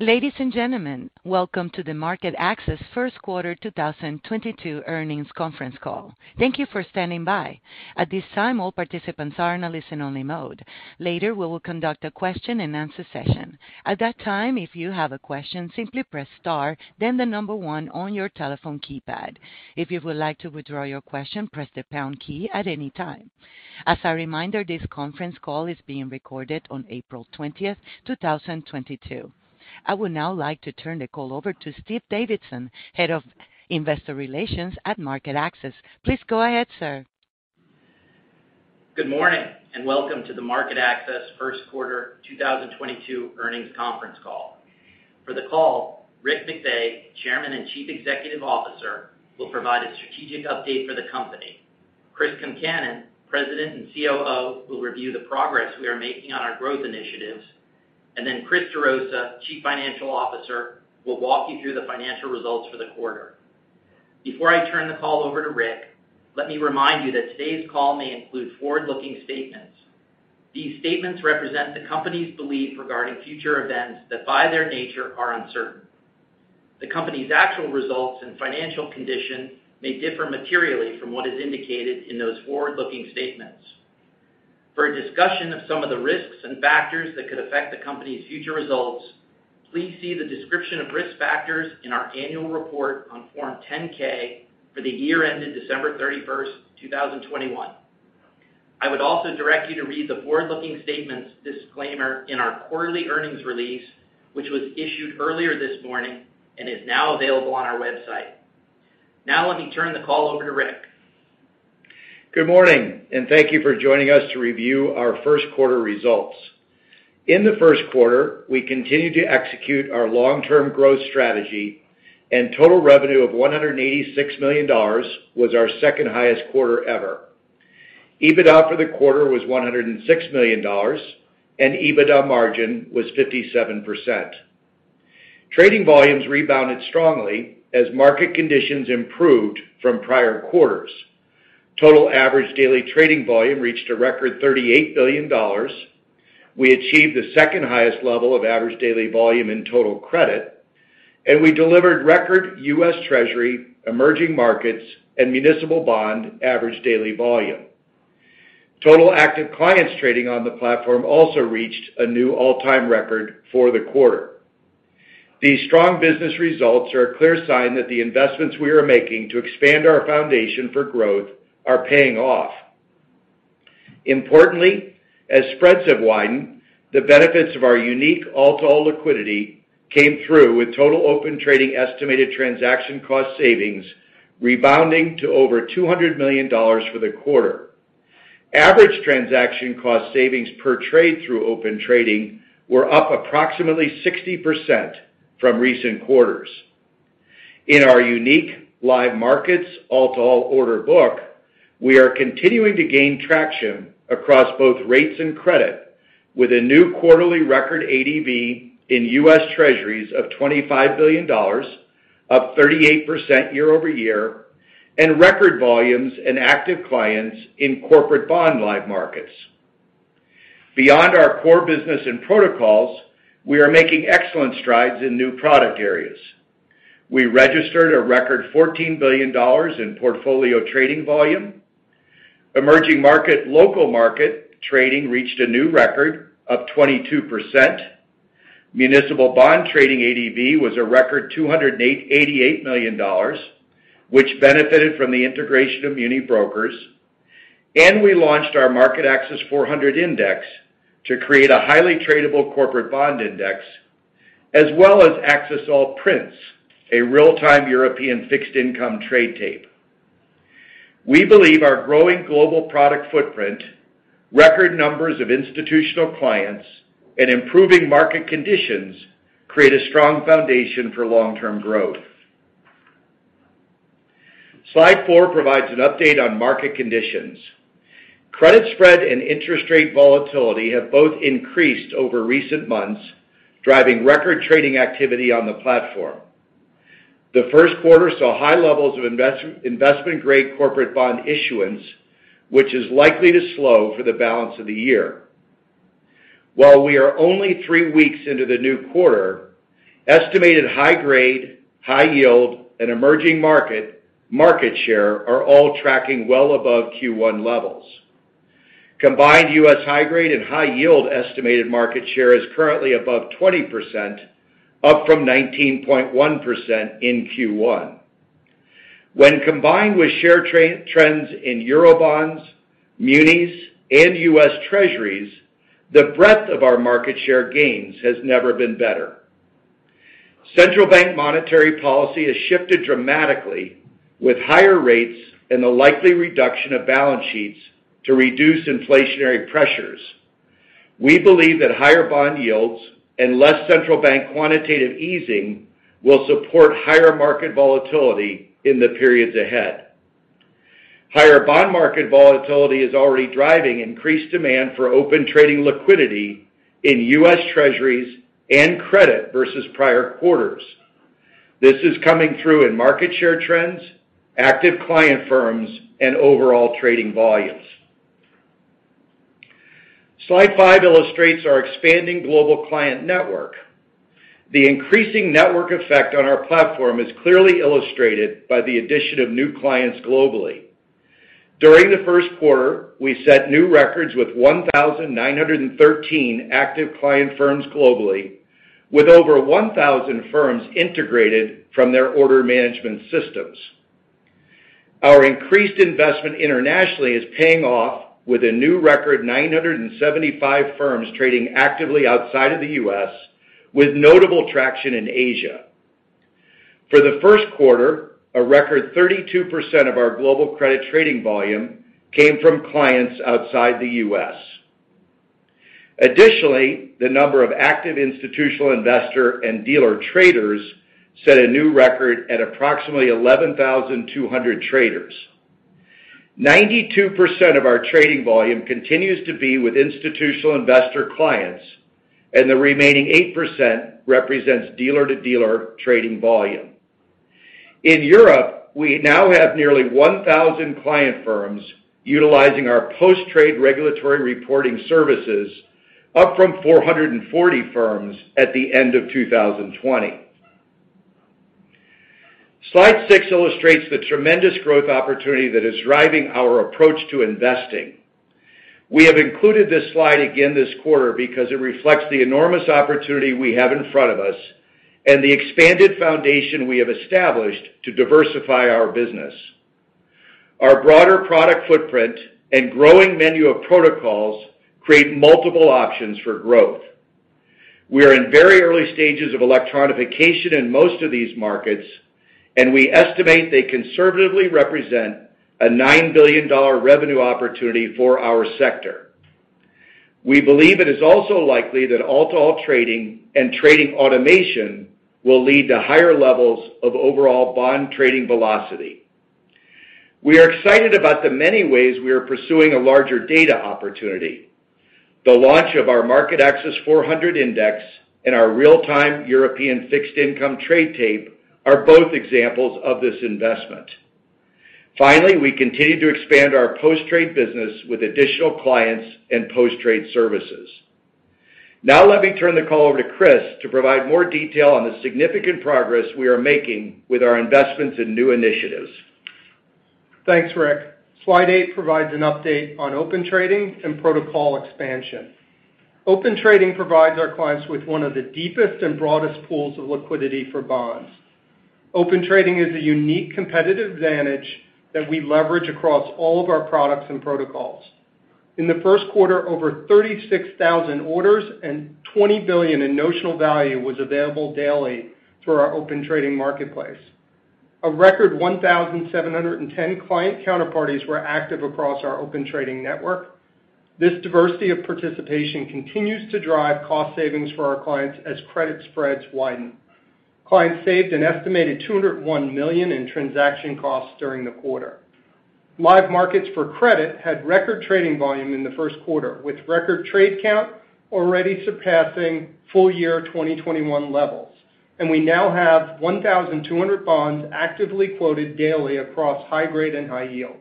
Ladies and gentlemen, welcome to the MarketAxess first quarter 2022 earnings conference call. Thank you for standing by. At this time, all participants are in a listen-only mode. Later, we will conduct a question-and-answer session. At that time, if you have a question, simply press star then the number 1 on your telephone keypad. If you would like to withdraw your question, press the pound key at any time. As a reminder, this conference call is being recorded on April 20, 2022. I would now like to turn the call over to Stephen Davidson, Head of Investor Relations at MarketAxess. Please go ahead, sir. Good morning, and welcome to the MarketAxess first quarter 2022 earnings conference call. For the call, Rick McVey, Chairman and Chief Executive Officer, will provide a strategic update for the company. Chris Concannon, President and COO, will review the progress we are making on our growth initiatives. Chris Gerosa, Chief Financial Officer, will walk you through the financial results for the quarter. Before I turn the call over to Rick, let me remind you that today's call may include forward-looking statements. These statements represent the company's belief regarding future events that, by their nature, are uncertain. The company's actual results and financial condition may differ materially from what is indicated in those forward-looking statements. For a discussion of some of the risks and factors that could affect the company's future results, please see the description of risk factors in our annual report on Form 10-K for the year ended December 31, 2021. I would also direct you to read the forward-looking statements disclaimer in our quarterly earnings release, which was issued earlier this morning and is now available on our website. Now, let me turn the call over to Rick. Good morning, and thank you for joining us to review our first quarter results. In the first quarter, we continued to execute our long-term growth strategy and total revenue of $186 million was our second-highest quarter ever. EBITDA for the quarter was $106 million, and EBITDA margin was 57%. Trading volumes rebounded strongly as market conditions improved from prior quarters. Total average daily trading volume reached a record $38 billion. We achieved the second-highest level of average daily volume in total credit, and we delivered record U.S. Treasury, emerging markets, and municipal bond average daily volume. Total active clients trading on the platform also reached a new all-time record for the quarter. These strong business results are a clear sign that the investments we are making to expand our foundation for growth are paying off. Importantly, as spreads have widened, the benefits of our unique all-to-all liquidity came through with total Open Trading estimated transaction cost savings rebounding to over $200 million for the quarter. Average transaction cost savings per trade through Open Trading were up approximately 60% from recent quarters. In our unique Live Markets all-to-all order book, we are continuing to gain traction across both rates and credit with a new quarterly record ADV in U.S. Treasuries of $25 billion, up 38% year-over-year, and record volumes and active clients in corporate bond Live Markets. Beyond our core business and protocols, we are making excellent strides in new product areas. We registered a record $14 billion in portfolio trading volume. Emerging market, local market trading reached a new record, up 22%. Municipal bond trading ADV was a record $88 million, which benefited from the integration of MuniBrokers. We launched our MarketAxess 400 Index to create a highly tradable corporate bond index, as well as Axess All Prints, a real-time European fixed income trade tape. We believe our growing global product footprint, record numbers of institutional clients, and improving market conditions create a strong foundation for long-term growth. Slide four provides an update on market conditions. Credit spread and interest rate volatility have both increased over recent months, driving record trading activity on the platform. The first quarter saw high levels of investment-grade corporate bond issuance, which is likely to slow for the balance of the year. While we are only three weeks into the new quarter, estimated high-grade, high-yield, and emerging markets market share are all tracking well above Q1 levels. Combined U.S. high grade and high yield estimated market share is currently above 20%, up from 19.1% in Q1. When combined with share trends in Eurobonds, munis, and U.S. Treasuries, the breadth of our market share gains has never been better. Central bank monetary policy has shifted dramatically with higher rates and the likely reduction of balance sheets to reduce inflationary pressures. We believe that higher bond yields and less central bank quantitative easing will support higher market volatility in the periods ahead. Higher bond market volatility is already driving increased demand for Open Trading liquidity in U.S. Treasuries and credit versus prior quarters. This is coming through in market share trends, active client firms, and overall trading volumes. Slide five illustrates our expanding global client network. The increasing network effect on our platform is clearly illustrated by the addition of new clients globally. During the first quarter, we set new records with 1,913 active client firms globally, with over 1,000 firms integrated from their order management systems. Our increased investment internationally is paying off with a new record 975 firms trading actively outside of the U.S., with notable traction in Asia. For the first quarter, a record 32% of our global credit trading volume came from clients outside the U.S. Additionally, the number of active institutional investor and dealer traders set a new record at approximately 11,200 traders. 92% of our trading volume continues to be with institutional investor clients, and the remaining 8% represents dealer-to-dealer trading volume. In Europe, we now have nearly 1,000 client firms utilizing our post-trade regulatory reporting services, up from 440 firms at the end of 2020. Slide six illustrates the tremendous growth opportunity that is driving our approach to investing. We have included this slide again this quarter because it reflects the enormous opportunity we have in front of us and the expanded foundation we have established to diversify our business. Our broader product footprint and growing menu of protocols create multiple options for growth. We are in very early stages of electronification in most of these markets, and we estimate they conservatively represent a $9 billion revenue opportunity for our sector. We believe it is also likely that all-to-all trading and trading automation will lead to higher levels of overall bond trading velocity. We are excited about the many ways we are pursuing a larger data opportunity. The launch of our MarketAxess 400 index and our real-time European fixed income trade tape are both examples of this investment. Finally, we continue to expand our post-trade business with additional clients and post-trade services. Now let me turn the call over to Chris to provide more detail on the significant progress we are making with our investments and new initiatives. Thanks, Rick. Slide eight provides an update on Open Trading and protocol expansion. Open Trading provides our clients with one of the deepest and broadest pools of liquidity for bonds. Open Trading is a unique competitive advantage that we leverage across all of our products and protocols. In the first quarter, over 36,000 orders and $20 billion in notional value was available daily through our Open Trading marketplace. A record 1,710 client counterparties were active across our Open Trading network. This diversity of participation continues to drive cost savings for our clients as credit spreads widen. Clients saved an estimated $201 million in transaction costs during the quarter. Live Markets for credit had record trading volume in the first quarter, with record trade count already surpassing full-year 2021 levels. We now have 1,200 bonds actively quoted daily across high grade and high yield.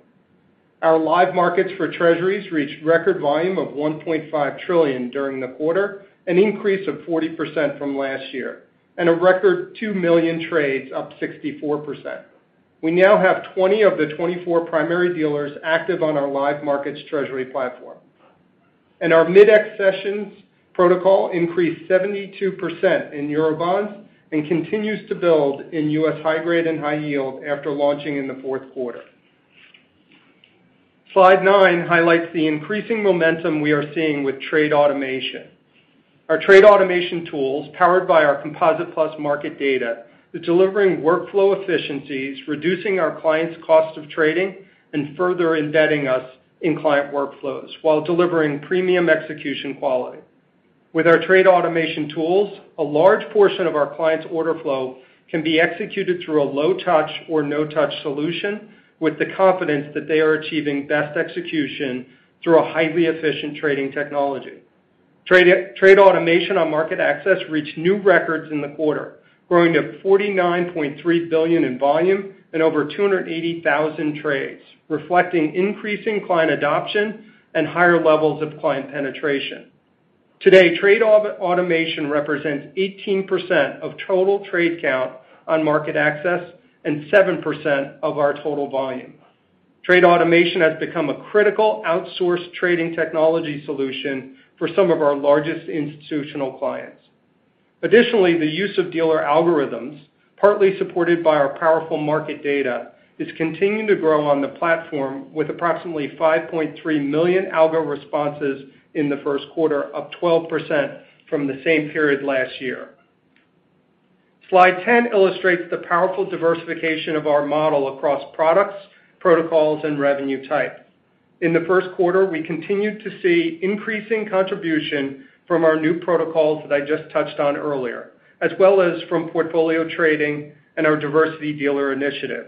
Our Live Markets for Treasuries reached record volume of $1.5 trillion during the quarter, an increase of 40% from last year, and a record two million trades up 64%. We now have 20 of the 24 primary dealers active on our Live Markets Treasury platform. Our Mid-X sessions protocol increased 72% in Eurobonds and continues to build in U.S. high grade and high yield after launching in the fourth quarter. Slide nine highlights the increasing momentum we are seeing with trade automation. Our trade automation tools, powered by our Composite+ market data, is delivering workflow efficiencies, reducing our clients' cost of trading, and further embedding us in client workflows while delivering premium execution quality. With our trade automation tools, a large portion of our clients' order flow can be executed through a low-touch or no-touch solution with the confidence that they are achieving best execution through a highly efficient trading technology. Trade automation on MarketAxess reached new records in the quarter, growing to $49.3 billion in volume and over 280,000 trades, reflecting increasing client adoption and higher levels of client penetration. Today, trade automation represents 18% of total trade count on MarketAxess and 7% of our total volume. Trade automation has become a critical outsourced trading technology solution for some of our largest institutional clients. Additionally, the use of dealer algorithms, partly supported by our powerful market data, is continuing to grow on the platform with approximately 5.3 million algo responses in the first quarter, up 12% from the same period last year. Slide 10 illustrates the powerful diversification of our model across products, protocols, and revenue types. In the first quarter, we continued to see increasing contribution from our new protocols that I just touched on earlier, as well as from portfolio trading and our diversity dealer initiative.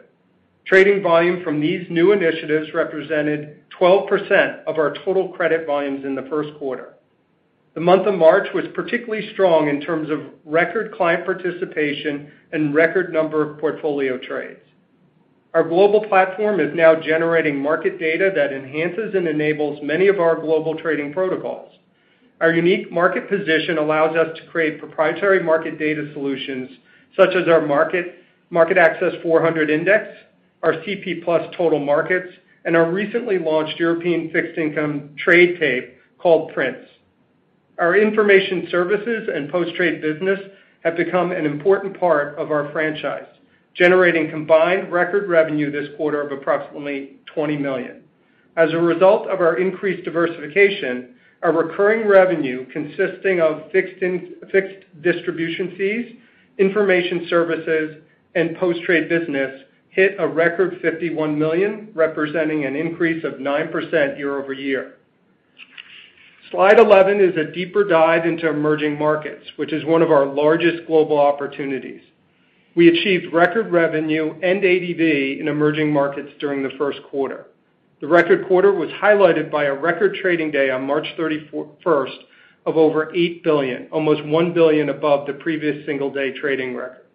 Trading volume from these new initiatives represented 12% of our total credit volumes in the first quarter. The month of March was particularly strong in terms of record client participation and record number of portfolio trades. Our global platform is now generating market data that enhances and enables many of our global trading protocols. Our unique market position allows us to create proprietary market data solutions such as our MarketAxess 400 index, our CP+ Total Markets, and our recently launched European fixed income trade tape called Prints. Our information services and post-trade business have become an important part of our franchise, generating combined record revenue this quarter of approximately $20 million. As a result of our increased diversification, our recurring revenue consisting of fixed distribution fees, information services, and post-trade business hit a record $51 million, representing an increase of 9% year over year. Slide 11 is a deeper dive into emerging markets, which is one of our largest global opportunities. We achieved record revenue and ADV in emerging markets during the first quarter. The record quarter was highlighted by a record trading day on March 31st of over $8 billion, almost $1 billion above the previous single day trading record.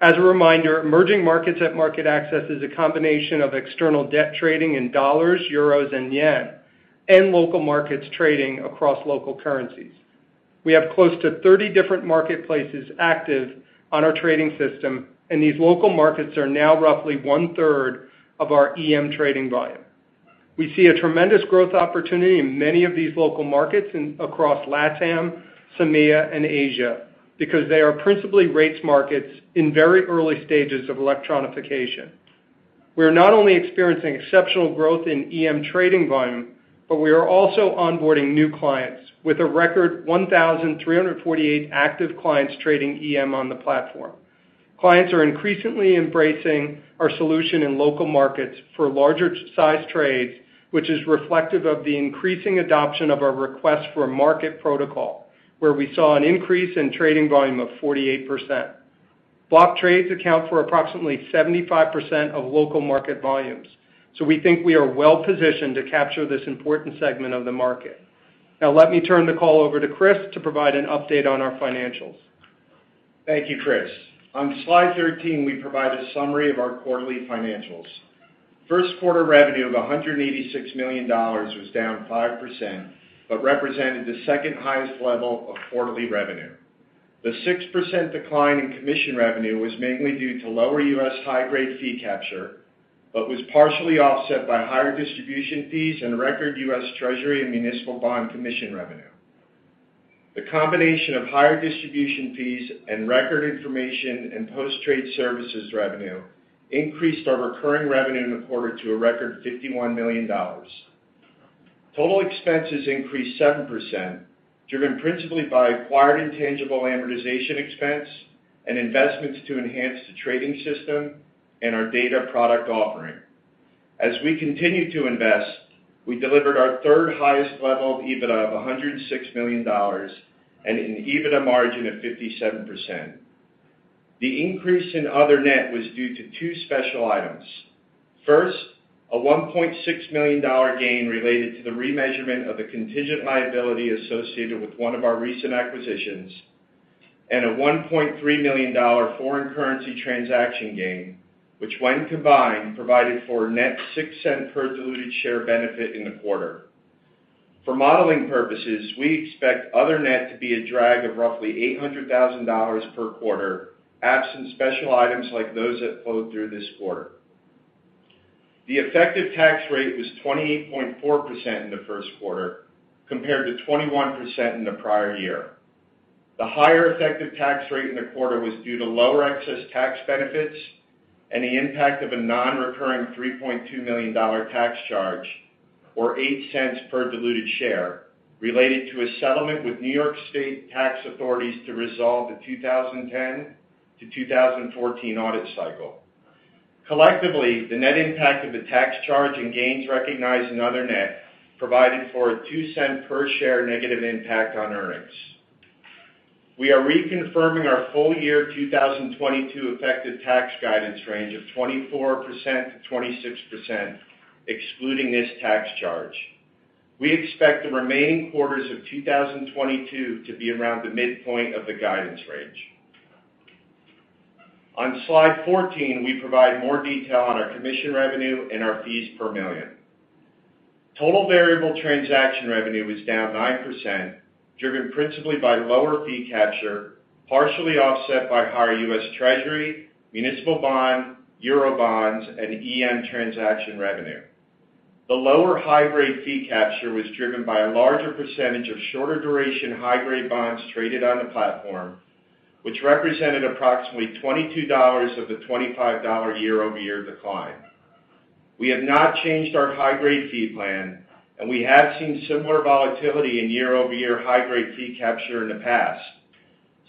As a reminder, emerging markets at MarketAxess is a combination of external debt trading in dollars, euros, and yen, and local markets trading across local currencies. We have close to 30 different marketplaces active on our trading system, and these local markets are now roughly one-third of our EM trading volume. We see a tremendous growth opportunity in many of these local markets across LATAM, EMEA, and Asia because they are principally rates markets in very early stages of electronification. We are not only experiencing exceptional growth in EM trading volume, but we are also onboarding new clients with a record 1,348 active clients trading EM on the platform. Clients are increasingly embracing our solution in local markets for larger size trades, which is reflective of the increasing adoption of our RFQ protocol where we saw an increase in trading volume of 48%. Block trades account for approximately 75% of local market volumes. We think we are well-positioned to capture this important segment of the market. Now, let me turn the call over to Chris to provide an update on our financials. Thank you, Chris. On slide 13, we provide a summary of our quarterly financials. First quarter revenue of $186 million was down 5%, but represented the second highest level of quarterly revenue. The 6% decline in commission revenue was mainly due to lower U.S. high grade fee capture, but was partially offset by higher distribution fees and record U.S. Treasury and municipal bond commission revenue. The combination of higher distribution fees and record information and post-trade services revenue increased our recurring revenue in the quarter to a record $51 million. Total expenses increased 7%, driven principally by acquired intangible amortization expense and investments to enhance the trading system and our data product offering. As we continued to invest, we delivered our third highest level of EBITDA of $106 million and an EBITDA margin of 57%. The increase in other net was due to two special items. First, a $1.6 million gain related to the remeasurement of the contingent liability associated with one of our recent acquisitions, and a $1.3 million foreign currency transaction gain, which when combined, provided for a net six cent per diluted share benefit in the quarter. For modeling purposes, we expect other net to be a drag of roughly $800,000 per quarter, absent special items like those that flowed through this quarter. The effective tax rate was 28.4% in the first quarter compared to 21% in the prior year. The higher effective tax rate in the quarter was due to lower excess tax benefits and the impact of a non-recurring $3.2 million tax charge, or $0.08 per diluted share related to a settlement with New York State tax authorities to resolve the 2010-2014 audit cycle. Collectively, the net impact of the tax charge and gains recognized in other income, net provided for a $0.02 per share negative impact on earnings. We are reconfirming our full year 2022 effective tax guidance range of 24%-26% excluding this tax charge. We expect the remaining quarters of 2022 to be around the midpoint of the guidance range. On slide 14, we provide more detail on our commission revenue and our fees per million. Total variable transaction revenue was down 9%, driven principally by lower fee capture, partially offset by higher U.S. Treasury, municipal bond, euro bonds, and EM transaction revenue. The lower high grade fee capture was driven by a larger percentage of shorter duration high grade bonds traded on the platform, which represented approximately $22 of the $25 year-over-year decline. We have not changed our high grade fee plan, and we have seen similar volatility in year-over-year high grade fee capture in the past,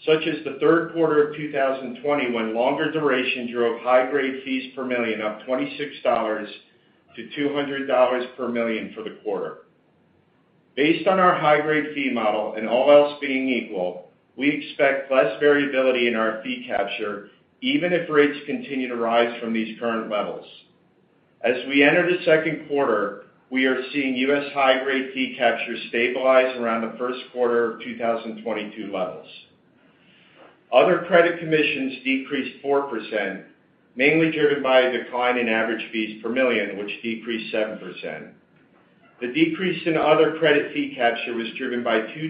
such as the third quarter of 2020 when longer duration drove high grade fees per million up $26-$200 per million for the quarter. Based on our high-grade fee model and all else being equal, we expect less variability in our fee capture even if rates continue to rise from these current levels. As we enter the second quarter, we are seeing U.S. high-grade fee capture stabilize around the first quarter of 2022 levels. Other credit commissions decreased 4%, mainly driven by a decline in average fees per million, which decreased 7%. The decrease in other credit fee capture was driven by two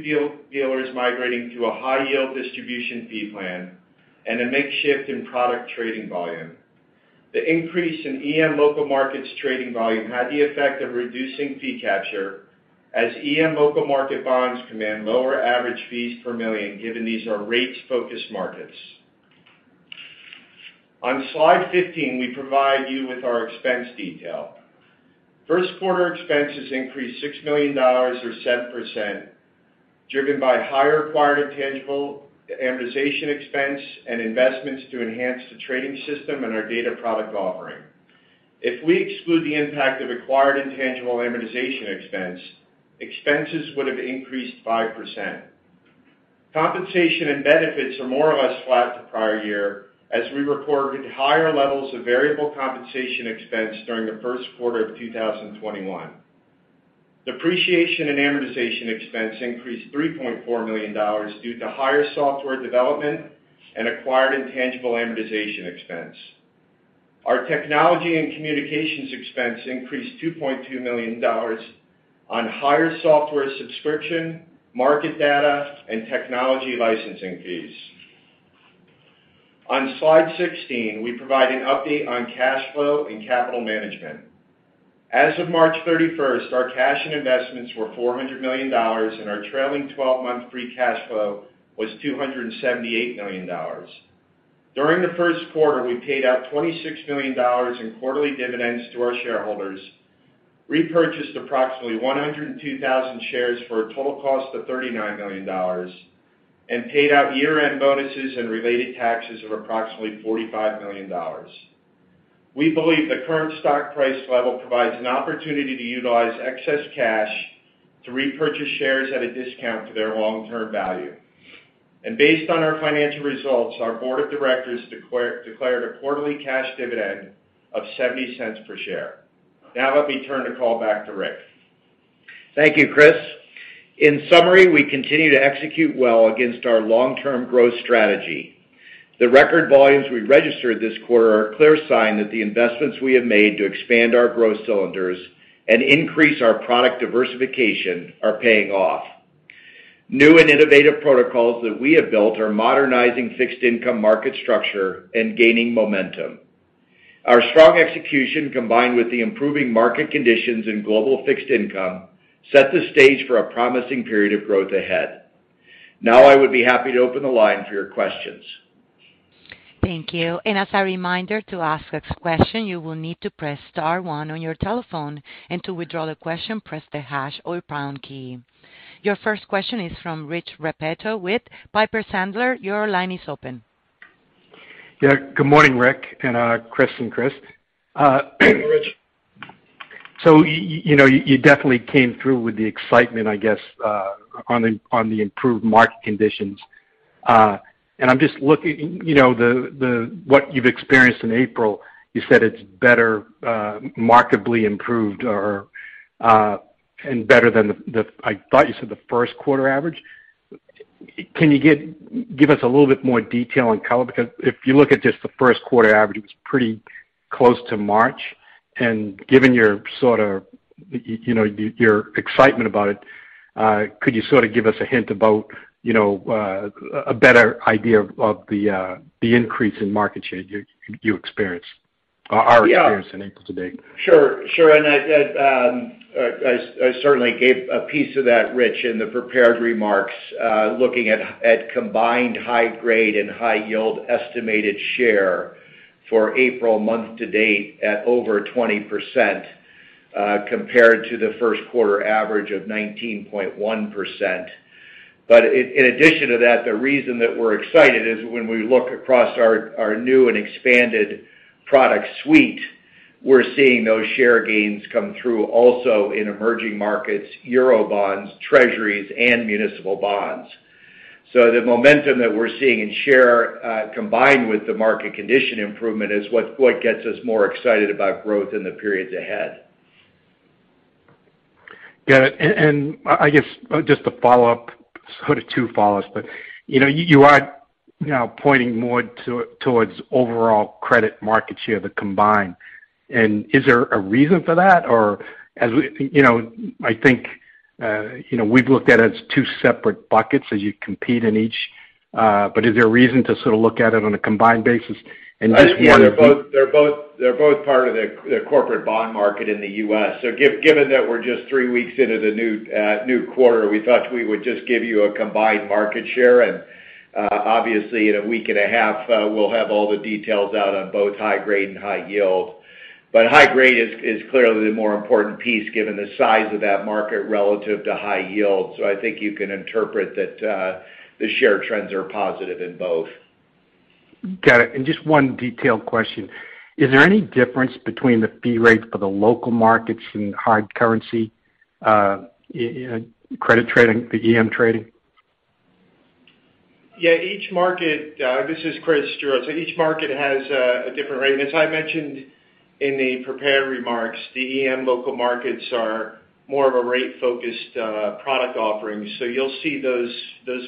dealers migrating to a high-yield distribution fee plan and a mix shift in product trading volume. The increase in EM local markets trading volume had the effect of reducing fee capture as EM local market bonds command lower average fees per million given these are rates-focused markets. On slide 15, we provide you with our expense detail. First quarter expenses increased $6 million or 7%, driven by higher acquired intangible amortization expense and investments to enhance the trading system and our data product offering. If we exclude the impact of acquired intangible amortization expense, expenses would have increased 5%. Compensation and benefits are more or less flat to prior year as we reported higher levels of variable compensation expense during the first quarter of 2021. Depreciation and amortization expense increased $3.4 million due to higher software development and acquired intangible amortization expense. Our technology and communications expense increased $2.2 million on higher software subscription, market data, and technology licensing fees. On slide 16, we provide an update on cash flow and capital management. As of March 31, our cash and investments were $400 million, and our trailing twelve-month free cash flow was $278 million. During the first quarter, we paid out $26 million in quarterly dividends to our shareholders, repurchased approximately 102,000 shares for a total cost of $39 million, and paid out year-end bonuses and related taxes of approximately $45 million. We believe the current stock price level provides an opportunity to utilize excess cash to repurchase shares at a discount to their long-term value. Based on our financial results, our board of directors declared a quarterly cash dividend of $0.70 per share. Now let me turn the call back to Rick. Thank you, Chris. In summary, we continue to execute well against our long-term growth strategy. The record volumes we registered this quarter are a clear sign that the investments we have made to expand our growth cylinders and increase our product diversification are paying off. New and innovative protocols that we have built are modernizing fixed income market structure and gaining momentum. Our strong execution, combined with the improving market conditions in global fixed income, set the stage for a promising period of growth ahead. Now I would be happy to open the line for your questions. Thank you. As a reminder, to ask a question, you will need to press star one on your telephone. To withdraw the question, press the hash or pound key. Your first question is from Rich Repetto with Piper Sandler. Your line is open. Yeah. Good morning, Rick and Chris and Chris. Good morning, Rich. You know, you definitely came through with the excitement, I guess, on the improved market conditions. I'm just looking, you know, what you've experienced in April. You said it's better, markedly improved or, and better than the. I thought you said the first quarter average. Can you give us a little bit more detail and color? Because if you look at just the first quarter average, it's pretty close to March. Given your sort of, you know, your excitement about it, could you sort of give us a hint about, you know, a better idea of the increase in market share you experienced or are- Yeah. experiencing April to date? Sure. I certainly gave a piece of that, Rich, in the prepared remarks, looking at combined high grade and high yield estimated share for April month to date at over 20%, compared to the first quarter average of 19.1%. In addition to that, the reason that we're excited is when we look across our new and expanded product suite, we're seeing those share gains come through also in emerging markets, Eurobonds, Treasuries, and municipal bonds. The momentum that we're seeing in share, combined with the market condition improvement is what gets us more excited about growth in the periods ahead. Got it. I guess just a follow-up, sort of two follow-ups. You know, you are now pointing more towards overall credit market share, the combined. Is there a reason for that? You know, I think, you know, we've looked at it as two separate buckets as you compete in each. Is there a reason to sort of look at it on a combined basis and just- I think they're both part of the corporate bond market in the U.S. Given that we're just three weeks into the new quarter, we thought we would just give you a combined market share. Obviously, in a week and a half, we'll have all the details out on both high grade and high yield. High grade is clearly the more important piece given the size of that market relative to high yield. I think you can interpret that the share trends are positive in both. Got it. Just one detailed question. Is there any difference between the fee rates for the local markets and hard currency, in credit trading, the EM trading? Yeah, each market, this is Chris Gerosa. Each market has a different rate. As I mentioned in the prepared remarks, the EM local markets are more of a rate-focused product offering. You'll see those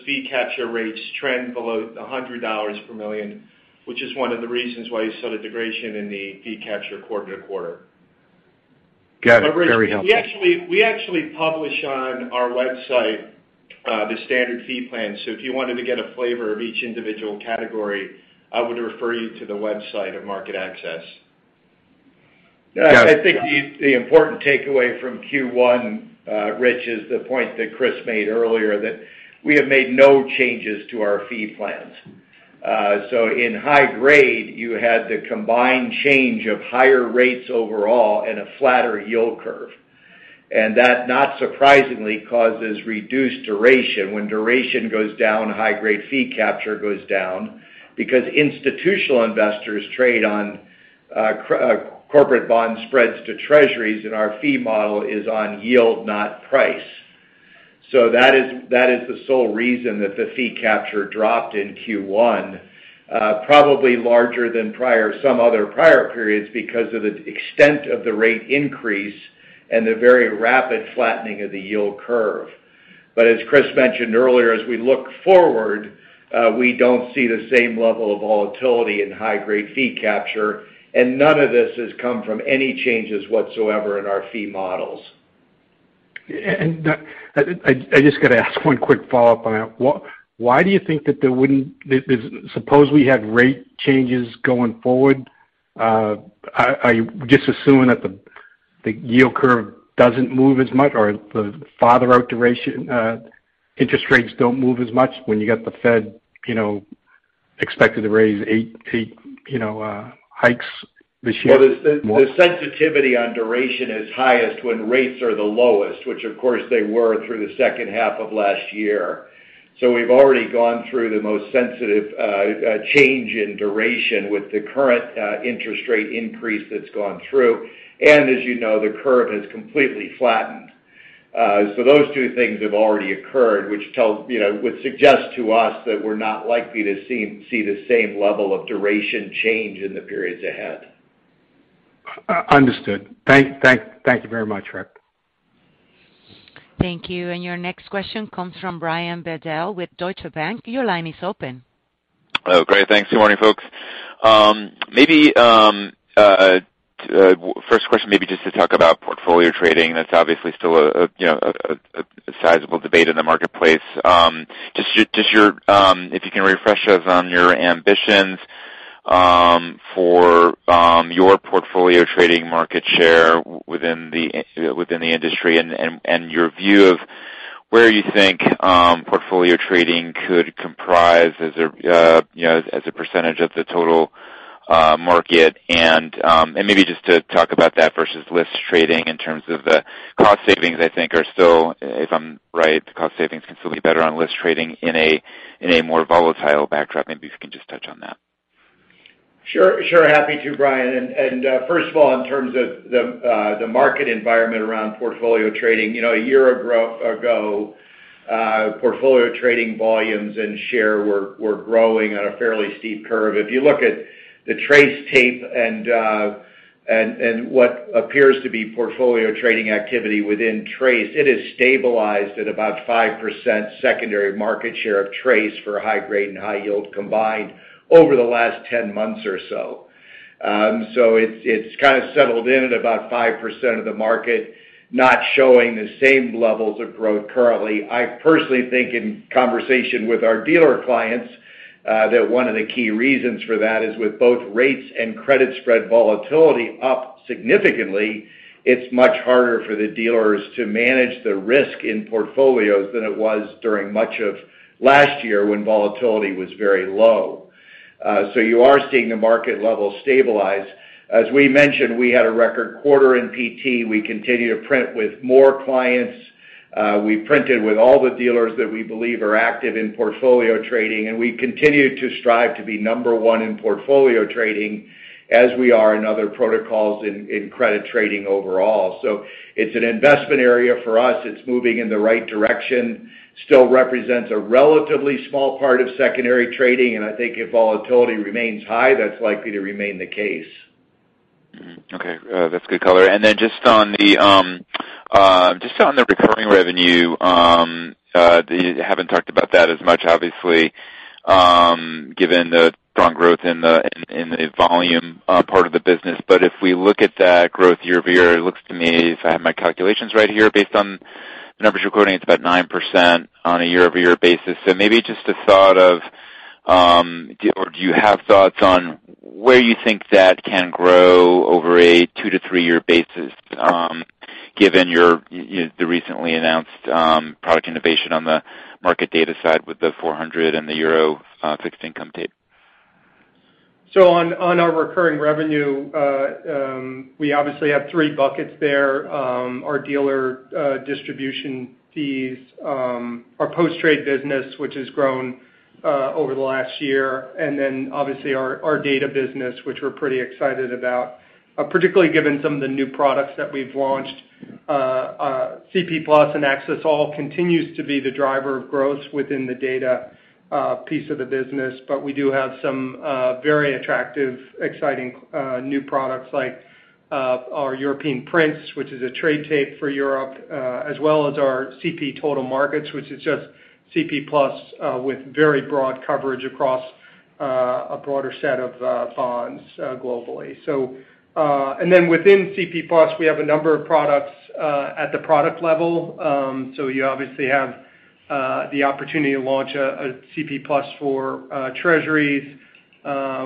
fee capture rates trend below $100 per million, which is one of the reasons why you saw degradation in the fee capture quarter-over-quarter. Got it. Very helpful. We actually publish on our website the standard fee plan. If you wanted to get a flavor of each individual category, I would refer you to the website of MarketAxess. Got it. I think the important takeaway from Q1, Rich, is the point that Chris made earlier, that we have made no changes to our fee plans. In high grade, you had the combined change of higher rates overall and a flatter yield curve. That, not surprisingly, causes reduced duration. When duration goes down, high grade fee capture goes down because institutional investors trade on corporate bond spreads to treasuries, and our fee model is on yield, not price. That is the sole reason that the fee capture dropped in Q1, probably larger than some other prior periods because of the extent of the rate increase and the very rapid flattening of the yield curve. As Chris mentioned earlier, as we look forward, we don't see the same level of volatility in high grade fee capture, and none of this has come from any changes whatsoever in our fee models. I just gotta ask one quick follow-up on that. Why do you think that there wouldn't suppose we had rate changes going forward? Are you just assuming that the yield curve doesn't move as much, or the farther out duration interest rates don't move as much when you got the Fed, you know, expected to raise eight, you know, hikes this year more? Well, the sensitivity on duration is highest when rates are the lowest, which of course they were through the second half of last year. We've already gone through the most sensitive change in duration with the current interest rate increase that's gone through. As you know, the curve has completely flattened. Those two things have already occurred, which, you know, would suggest to us that we're not likely to see the same level of duration change in the periods ahead. Understood. Thank you very much, Rick. Thank you. Your next question comes from Brian Bedell with Deutsche Bank. Your line is open. Oh, great. Thanks. Good morning, folks. Maybe first question just to talk about portfolio trading. That's obviously still a sizable debate in the marketplace. Just your if you can refresh us on your ambitions for your portfolio trading market share within the industry and your view of where you think portfolio trading could comprise as a percentage of the total market. Maybe just to talk about that versus list trading in terms of the cost savings. I think are still, if I'm right, the cost savings can still be better on list trading in a more volatile backdrop. Maybe if you can just touch on that. Sure. Happy to, Brian. First of all, in terms of the market environment around portfolio trading, you know, a year ago, portfolio trading volumes and share were growing at a fairly steep curve. If you look at the TRACE tape and what appears to be portfolio trading activity within TRACE, it has stabilized at about 5% secondary market share of TRACE for high grade and high yield combined over the last 10 months or so. So it's kind of settled in at about 5% of the market, not showing the same levels of growth currently. I personally think in conversation with our dealer clients, that one of the key reasons for that is with both rates and credit spread volatility up significantly, it's much harder for the dealers to manage the risk in portfolios than it was during much of last year when volatility was very low. You are seeing the market level stabilize. As we mentioned, we had a record quarter in PT. We continue to print with more clients. We printed with all the dealers that we believe are active in portfolio trading, and we continue to strive to be number one in portfolio trading as we are in other protocols in credit trading overall. It's an investment area for us. It's moving in the right direction. Still represents a relatively small part of secondary trading, and I think if volatility remains high, that's likely to remain the case. Okay. That's good color. Just on the recurring revenue, you haven't talked about that as much obviously, given the strong growth in the volume part of the business. If we look at that growth year-over-year, it looks to me, if I have my calculations right here based on the numbers you're quoting, it's about 9% on a year-over-year basis. Maybe just a thought of, do you have thoughts on where you think that can grow over a two to three year basis, given your, you know, the recently announced product innovation on the market data side with the 400 and the Euro fixed income tape? On our recurring revenue, we obviously have three buckets there. Our dealer distribution fees, our post-trade business, which has grown over the last year, and then obviously our data business, which we're pretty excited about, particularly given some of the new products that we've launched. CP+ and Axess All continues to be the driver of growth within the data piece of the business. We do have some very attractive, exciting new products like our Axess All, which is a trade tape for Europe, as well as our CP+ Total Markets, which is just CP+ with very broad coverage across a broader set of bonds globally. Within CP+, we have a number of products at the product level. You obviously have the opportunity to launch a CP+ for treasuries.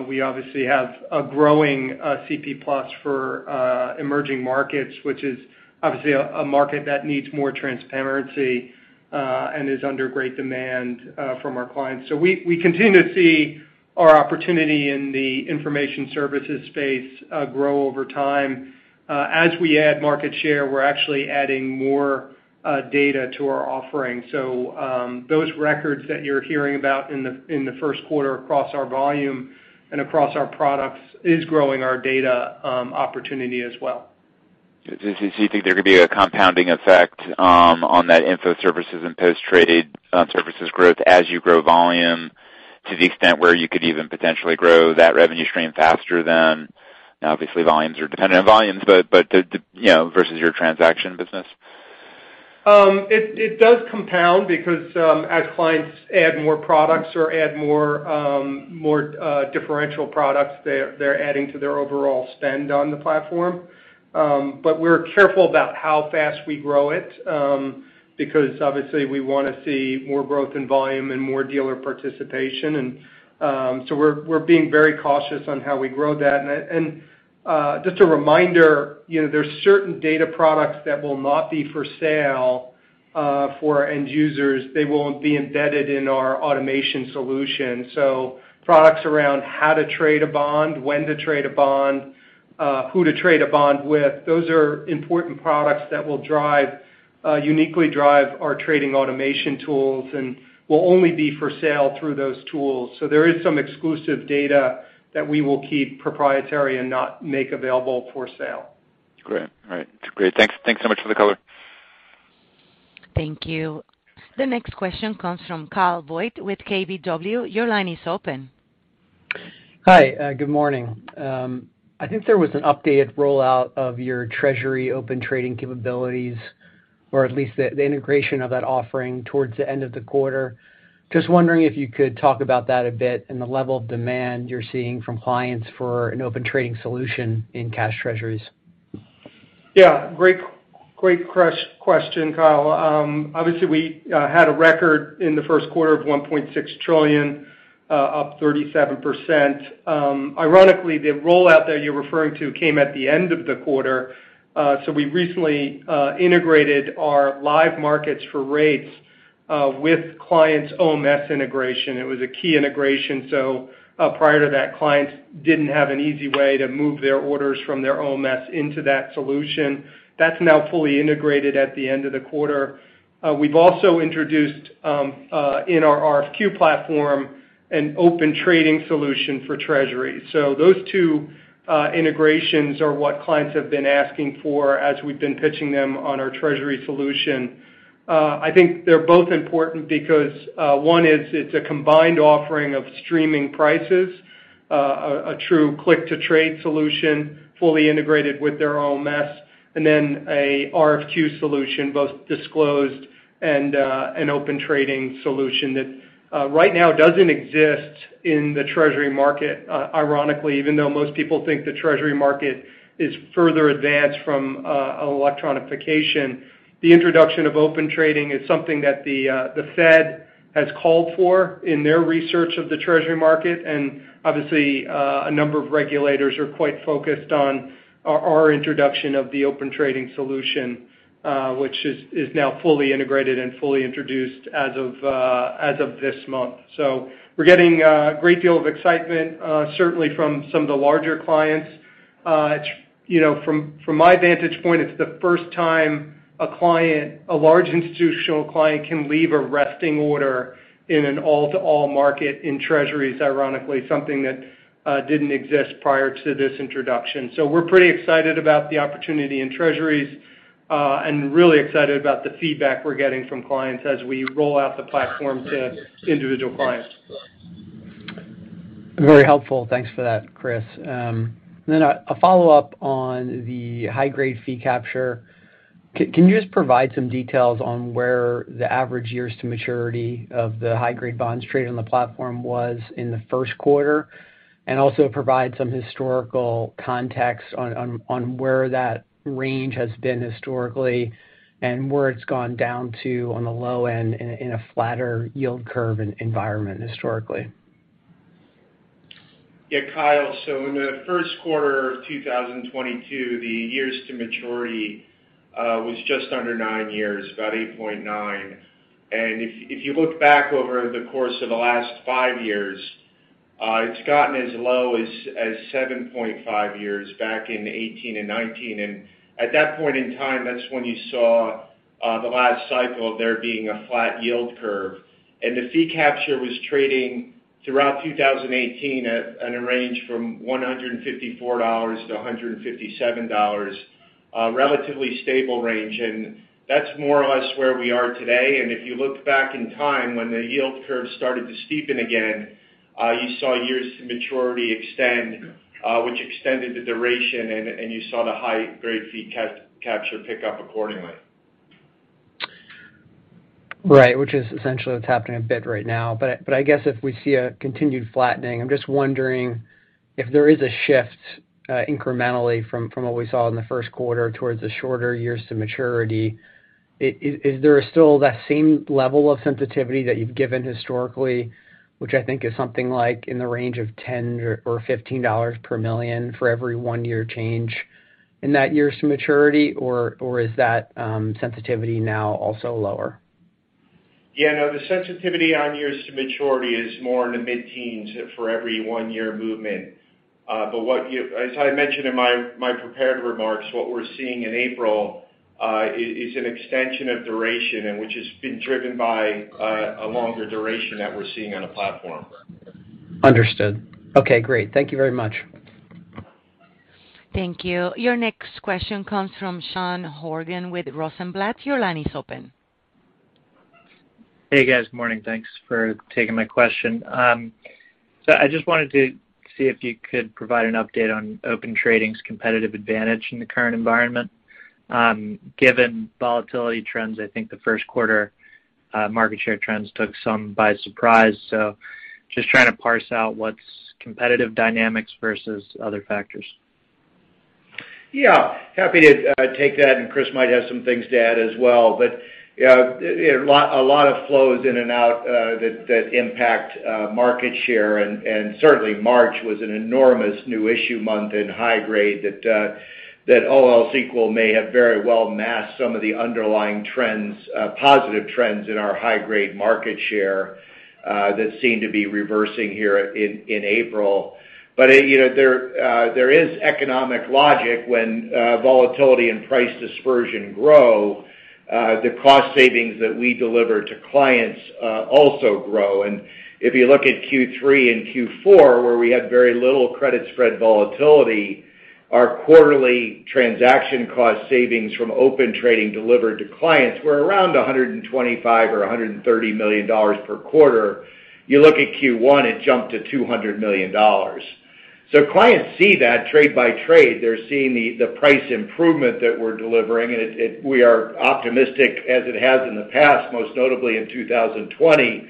We obviously have a growing CP+ for emerging markets, which is obviously a market that needs more transparency and is under great demand from our clients. We continue to see our opportunity in the information services space grow over time. As we add market share, we're actually adding more data to our offering. Those records that you're hearing about in the first quarter across our volume and across our products is growing our data opportunity as well. Do you think there could be a compounding effect on that info services and post-trade services growth as you grow volume to the extent where you could even potentially grow that revenue stream faster than. Obviously, volumes are dependent on volumes, but you know, versus your transaction business. It does compound because as clients add more products or add more differential products, they're adding to their overall spend on the platform. But we're careful about how fast we grow it because obviously, we wanna see more growth in volume and more dealer participation. So we're being very cautious on how we grow that. Just a reminder, you know, there are certain data products that will not be for sale for our end users. They won't be embedded in our automation solution. Products around how to trade a bond, when to trade a bond, who to trade a bond with, those are important products that will uniquely drive our trading automation tools and will only be for sale through those tools. There is some exclusive data that we will keep proprietary and not make available for sale. Great. All right. Great. Thanks so much for the color. Thank you. The next question comes from Kyle Voigt with KBW. Your line is open. Hi. Good morning. I think there was an updated rollout of your treasury open trading capabilities, or at least the integration of that offering towards the end of the quarter. Just wondering if you could talk about that a bit and the level of demand you're seeing from clients for an open trading solution in cash treasuries. Great question, Kyle. Obviously, we had a record in the first quarter of $1.6 trillion, up 37%. Ironically, the rollout that you're referring to came at the end of the quarter. We recently integrated our Live Markets for rates with clients' OMS integration. It was a key integration. Prior to that, clients didn't have an easy way to move their orders from their OMS into that solution. That's now fully integrated at the end of the quarter. We've also introduced in our RFQ platform an Open Trading solution for treasury. Those two integrations are what clients have been asking for as we've been pitching them on our treasury solution. I think they're both important because one is it's a combined offering of streaming prices, a true click-to-trade solution, fully integrated with their OMS, and then a RFQ solution, both disclosed and an Open Trading solution that right now doesn't exist in the treasury market. Ironically, even though most people think the treasury market is further advanced from electronification, the introduction of Open Trading is something that the Fed has called for in their research of the treasury market. Obviously, a number of regulators are quite focused on our introduction of the Open Trading solution, which is now fully integrated and fully introduced as of this month. We're getting a great deal of excitement, certainly from some of the larger clients. You know, from my vantage point, it's the first time a client, a large institutional client, can leave a resting order in an all-to-all market in treasuries, ironically, something that didn't exist prior to this introduction. We're pretty excited about the opportunity in treasuries, and really excited about the feedback we're getting from clients as we roll out the platform to individual clients. Very helpful. Thanks for that, Chris. A follow-up on the high-grade fee capture. Can you just provide some details on where the average years to maturity of the high-grade bonds traded on the platform was in the first quarter? Also provide some historical context on where that range has been historically and where it's gone down to on the low end in a flatter yield curve environment historically. Yeah, Kyle. In the first quarter of 2022, the years to maturity was just under 9 years, about 8.9. If you look back over the course of the last 5 years, it's gotten as low as 7.5 years back in 2018 and 2019. At that point in time, that's when you saw The last cycle of there being a flat yield curve. The fee capture was trading throughout 2018 at a range from $154-$157, relatively stable range. That's more or less where we are today. If you look back in time when the yield curve started to steepen again, you saw years to maturity extend, which extended the duration, and you saw the high-grade fee capture pick up accordingly. Right. Which is essentially what's happening a bit right now. I guess if we see a continued flattening, I'm just wondering if there is a shift incrementally from what we saw in the first quarter towards the shorter years to maturity. Is there still that same level of sensitivity that you've given historically, which I think is something like in the range of $10 or $15 per million for every one-year change in that years to maturity? Is that sensitivity now also lower? Yeah, no, the sensitivity on years to maturity is more in the mid-teens for every one-year movement. As I mentioned in my prepared remarks, what we're seeing in April is an extension of duration, and which has been driven by a longer duration that we're seeing on the platform. Understood. Okay, great. Thank you very much. Thank you. Your next question comes from Sean Horgan with Rosenblatt. Your line is open. Hey, guys. Morning. Thanks for taking my question. I just wanted to see if you could provide an update on Open Trading's competitive advantage in the current environment. Given volatility trends, I think the first quarter market share trends took some by surprise. Just trying to parse out what's competitive dynamics versus other factors. Yeah. Happy to take that, and Chris might have some things to add as well. You know, a lot of flows in and out that impact market share. Certainly, March was an enormous new issue month in high-grade that all else equal may have very well masked some of the underlying trends, positive trends in our high-grade market share that seem to be reversing here in April. You know, there is economic logic when volatility and price dispersion grow, the cost savings that we deliver to clients also grow. If you look at Q3 and Q4, where we had very little credit spread volatility, our quarterly transaction cost savings from Open Trading delivered to clients were around $125 million or $130 million per quarter. You look at Q1, it jumped to $200 million. Clients see that trade by trade. They're seeing the price improvement that we're delivering, and we are optimistic as it has in the past, most notably in 2020,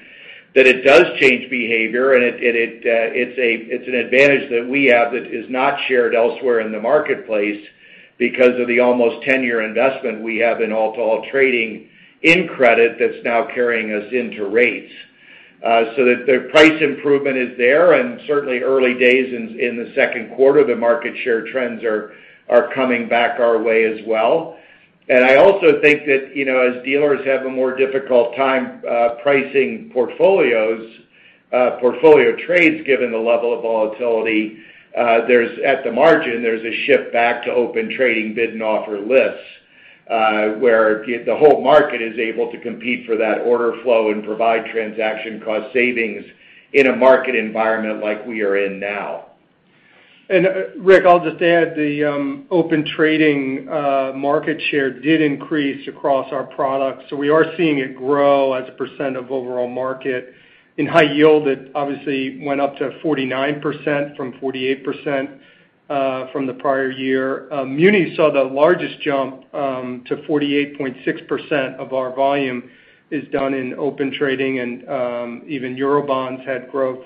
that it does change behavior. It's an advantage that we have that is not shared elsewhere in the marketplace because of the almost 10-year investment we have in all-to-all trading in credit that's now carrying us into rates. The price improvement is there, and certainly early days in the second quarter, the market share trends are coming back our way as well. I also think that, you know, as dealers have a more difficult time pricing portfolios, portfolio trades given the level of volatility, there's at the margin, there's a shift back to Open Trading bid and offer lists, where the whole market is able to compete for that order flow and provide transaction cost savings in a market environment like we are in now. Rick, I'll just add, the Open Trading market share did increase across our products. We are seeing it grow as a percent of overall market. In high yield, it obviously went up to 49% from 48% from the prior year. Muni saw the largest jump to 48.6% of our volume is done in Open Trading, and even Eurobonds had growth.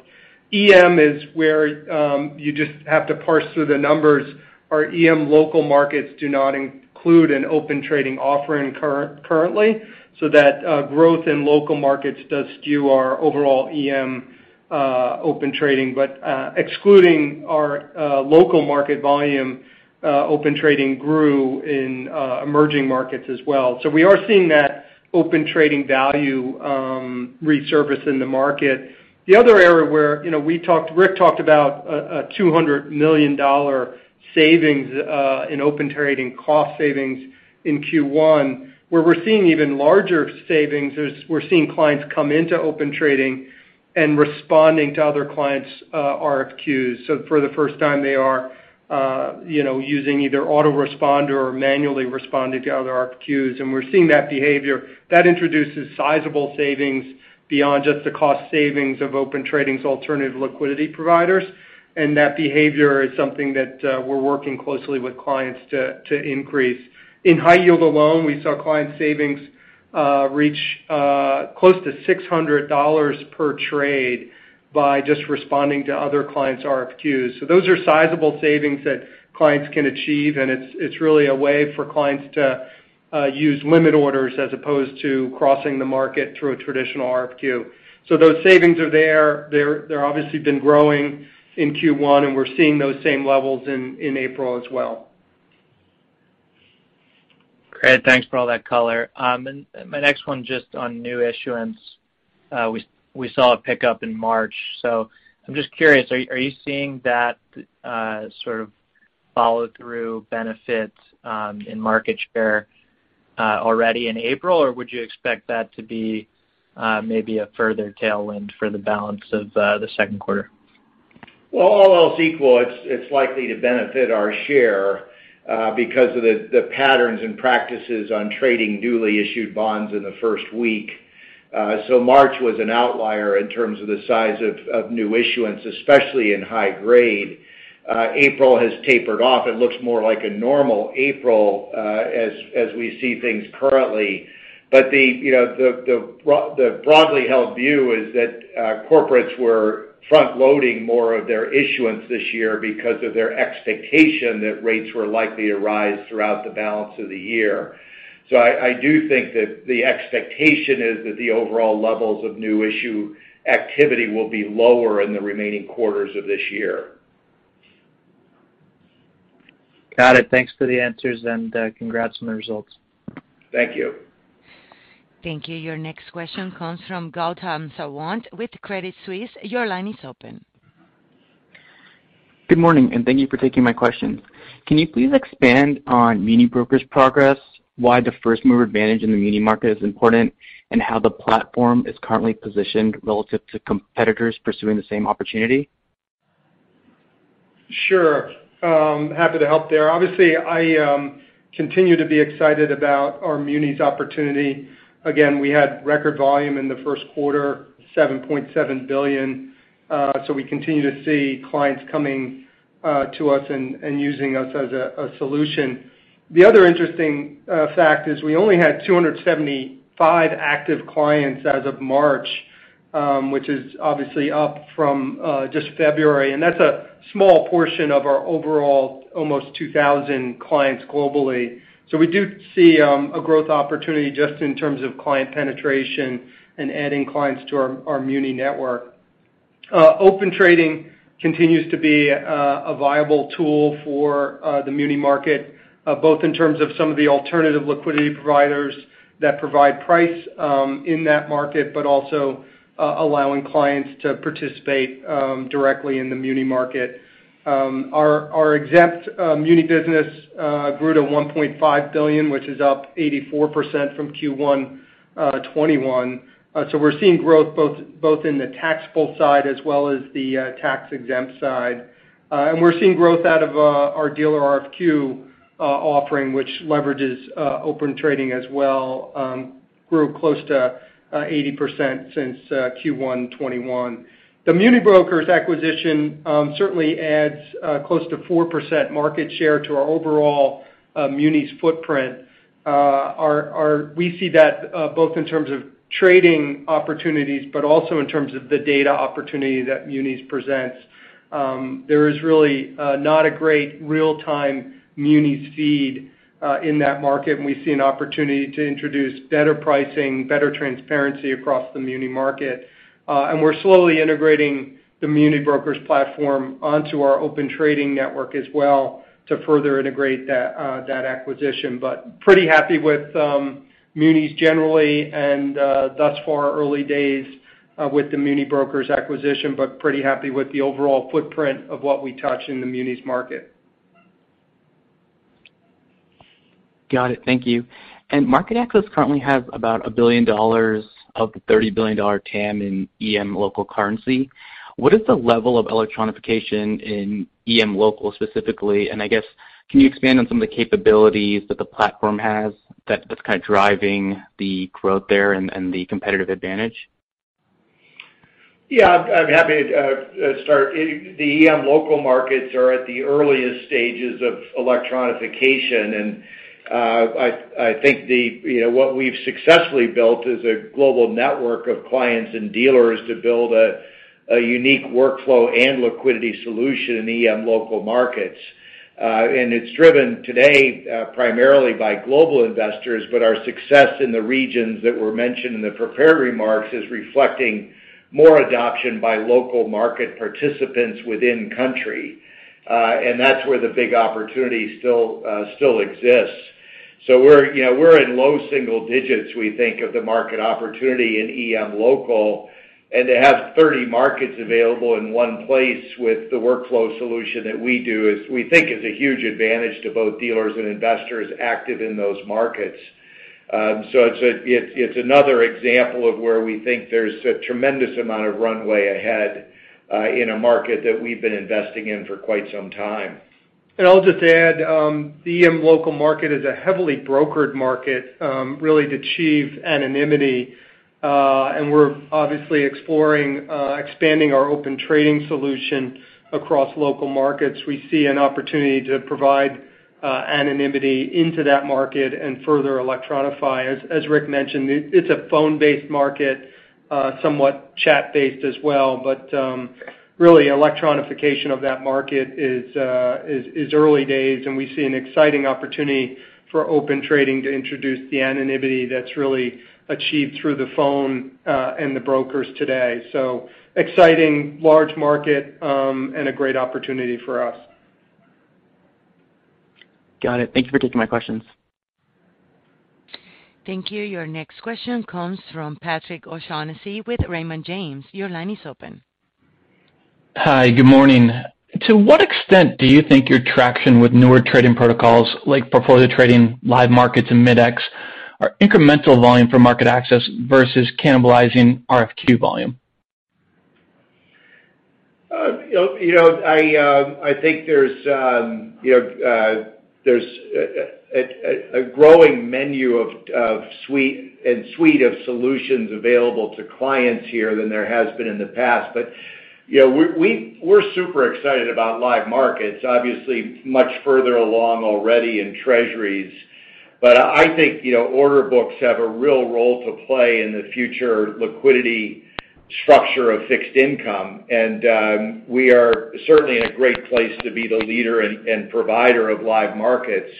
EM is where you just have to parse through the numbers. Our EM local markets do not include an Open Trading offering currently, so that growth in local markets does skew our overall EM Open Trading. Excluding our local market volume, Open Trading grew in emerging markets as well. We are seeing that Open Trading value resurface in the market. The other area where, you know, Rick talked about a $200 million savings in Open Trading cost savings in Q1, where we're seeing even larger savings as we're seeing clients come into Open Trading and responding to other clients' RFQs. For the first time, they are, you know, using either Auto-Responder or manually responding to other RFQs, and we're seeing that behavior. That introduces sizable savings beyond just the cost savings of Open Trading's alternative liquidity providers, and that behavior is something that we're working closely with clients to increase. In high yield alone, we saw client savings reach close to $600 per trade by just responding to other clients' RFQs. Those are sizable savings that clients can achieve, and it's really a way for clients to use limit orders as opposed to crossing the market through a traditional RFQ. Those savings are there. They're obviously been growing in Q1, and we're seeing those same levels in April as well. Great. Thanks for all that color. My next one just on new issuance. We saw a pickup in March. I'm just curious, are you seeing that sort of follow-through benefit in market share already in April? Would you expect that to be maybe a further tailwind for the balance of the second quarter? Well, all else equal, it's likely to benefit our share, because of the patterns and practices on trading newly issued bonds in the first week. March was an outlier in terms of the size of new issuance, especially in high grade. April has tapered off. It looks more like a normal April, as we see things currently. The, you know, the broadly held view is that, corporates were front-loading more of their issuance this year because of their expectation that rates were likely to rise throughout the balance of the year. I do think that the expectation is that the overall levels of new issue activity will be lower in the remaining quarters of this year. Got it. Thanks for the answers, and, congrats on the results. Thank you. Thank you. Your next question comes from Gautam Sawant with Credit Suisse. Your line is open. Good morning, and thank you for taking my questions. Can you please expand on MuniBrokers progress, why the first mover advantage in the muni market is important, and how the platform is currently positioned relative to competitors pursuing the same opportunity? Sure. Happy to help there. Obviously, I continue to be excited about our munis opportunity. Again, we had record volume in the first quarter, $7.7 billion. We continue to see clients coming to us and using us as a solution. The other interesting fact is we only had 275 active clients as of March, which is obviously up from just February. That's a small portion of our overall almost 2,000 clients globally. We do see a growth opportunity just in terms of client penetration and adding clients to our muni network. Open Trading continues to be a viable tool for the muni market, both in terms of some of the alternative liquidity providers that provide price in that market, but also allowing clients to participate directly in the muni market. Our exempt muni business grew to $1.5 billion, which is up 84% from Q1 2021. We're seeing growth both in the taxable side as well as the tax-exempt side. We're seeing growth out of our dealer RFQ offering, which leverages Open Trading as well, grew close to 80% since Q1 2021. The MuniBrokers acquisition certainly adds close to 4% market share to our overall munis footprint. We see that both in terms of trading opportunities, but also in terms of the data opportunity that munis presents. There is really not a great real-time munis feed in that market, and we see an opportunity to introduce better pricing, better transparency across the muni market. We're slowly integrating the MuniBrokers platform onto our Open Trading network as well to further integrate that acquisition. Pretty happy with munis generally, and thus far, early days with the MuniBrokers acquisition, but pretty happy with the overall footprint of what we touch in the munis market. Got it. Thank you. MarketAxess currently has about $1 billion of the $30 billion TAM in EM local currency. What is the level of electronification in EM local specifically? I guess, can you expand on some of the capabilities that the platform has that's kind of driving the growth there and the competitive advantage? Yeah. I'm happy to start. The EM local markets are at the earliest stages of electronification. I think, you know, what we've successfully built is a global network of clients and dealers to build a unique workflow and liquidity solution in EM local markets. It's driven today primarily by global investors, but our success in the regions that were mentioned in the prepared remarks is reflecting more adoption by local market participants within country. That's where the big opportunity still exists. You know, we're in low single digits, we think, of the market opportunity in EM local. To have 30 markets available in one place with the workflow solution that we do is, we think, a huge advantage to both dealers and investors active in those markets. It's another example of where we think there's a tremendous amount of runway ahead in a market that we've been investing in for quite some time. I'll just add, the EM local market is a heavily brokered market, really to achieve anonymity. We're obviously exploring expanding our Open Trading solution across local markets. We see an opportunity to provide anonymity into that market and further electronify. As Rick mentioned, it's a phone-based market, somewhat chat-based as well. Really, electronification of that market is early days, and we see an exciting opportunity for Open Trading to introduce the anonymity that's really achieved through the phone and the brokers today. Exciting large market and a great opportunity for us. Got it. Thank you for taking my questions. Thank you. Your next question comes from Patrick O'Shaughnessy with Raymond James. Your line is open. Hi. Good morning. To what extent do you think your traction with newer trading protocols like portfolio trading, Live Markets, and Mid-X are incremental volume for MarketAxess versus cannibalizing RFQ volume? You know, I think there's a growing menu of suite of solutions available to clients here than there has been in the past. You know, we're super excited about Live Markets, obviously much further along already in Treasuries. I think, you know, order books have a real role to play in the future liquidity structure of fixed income. We are certainly in a great place to be the leader and provider of Live Markets.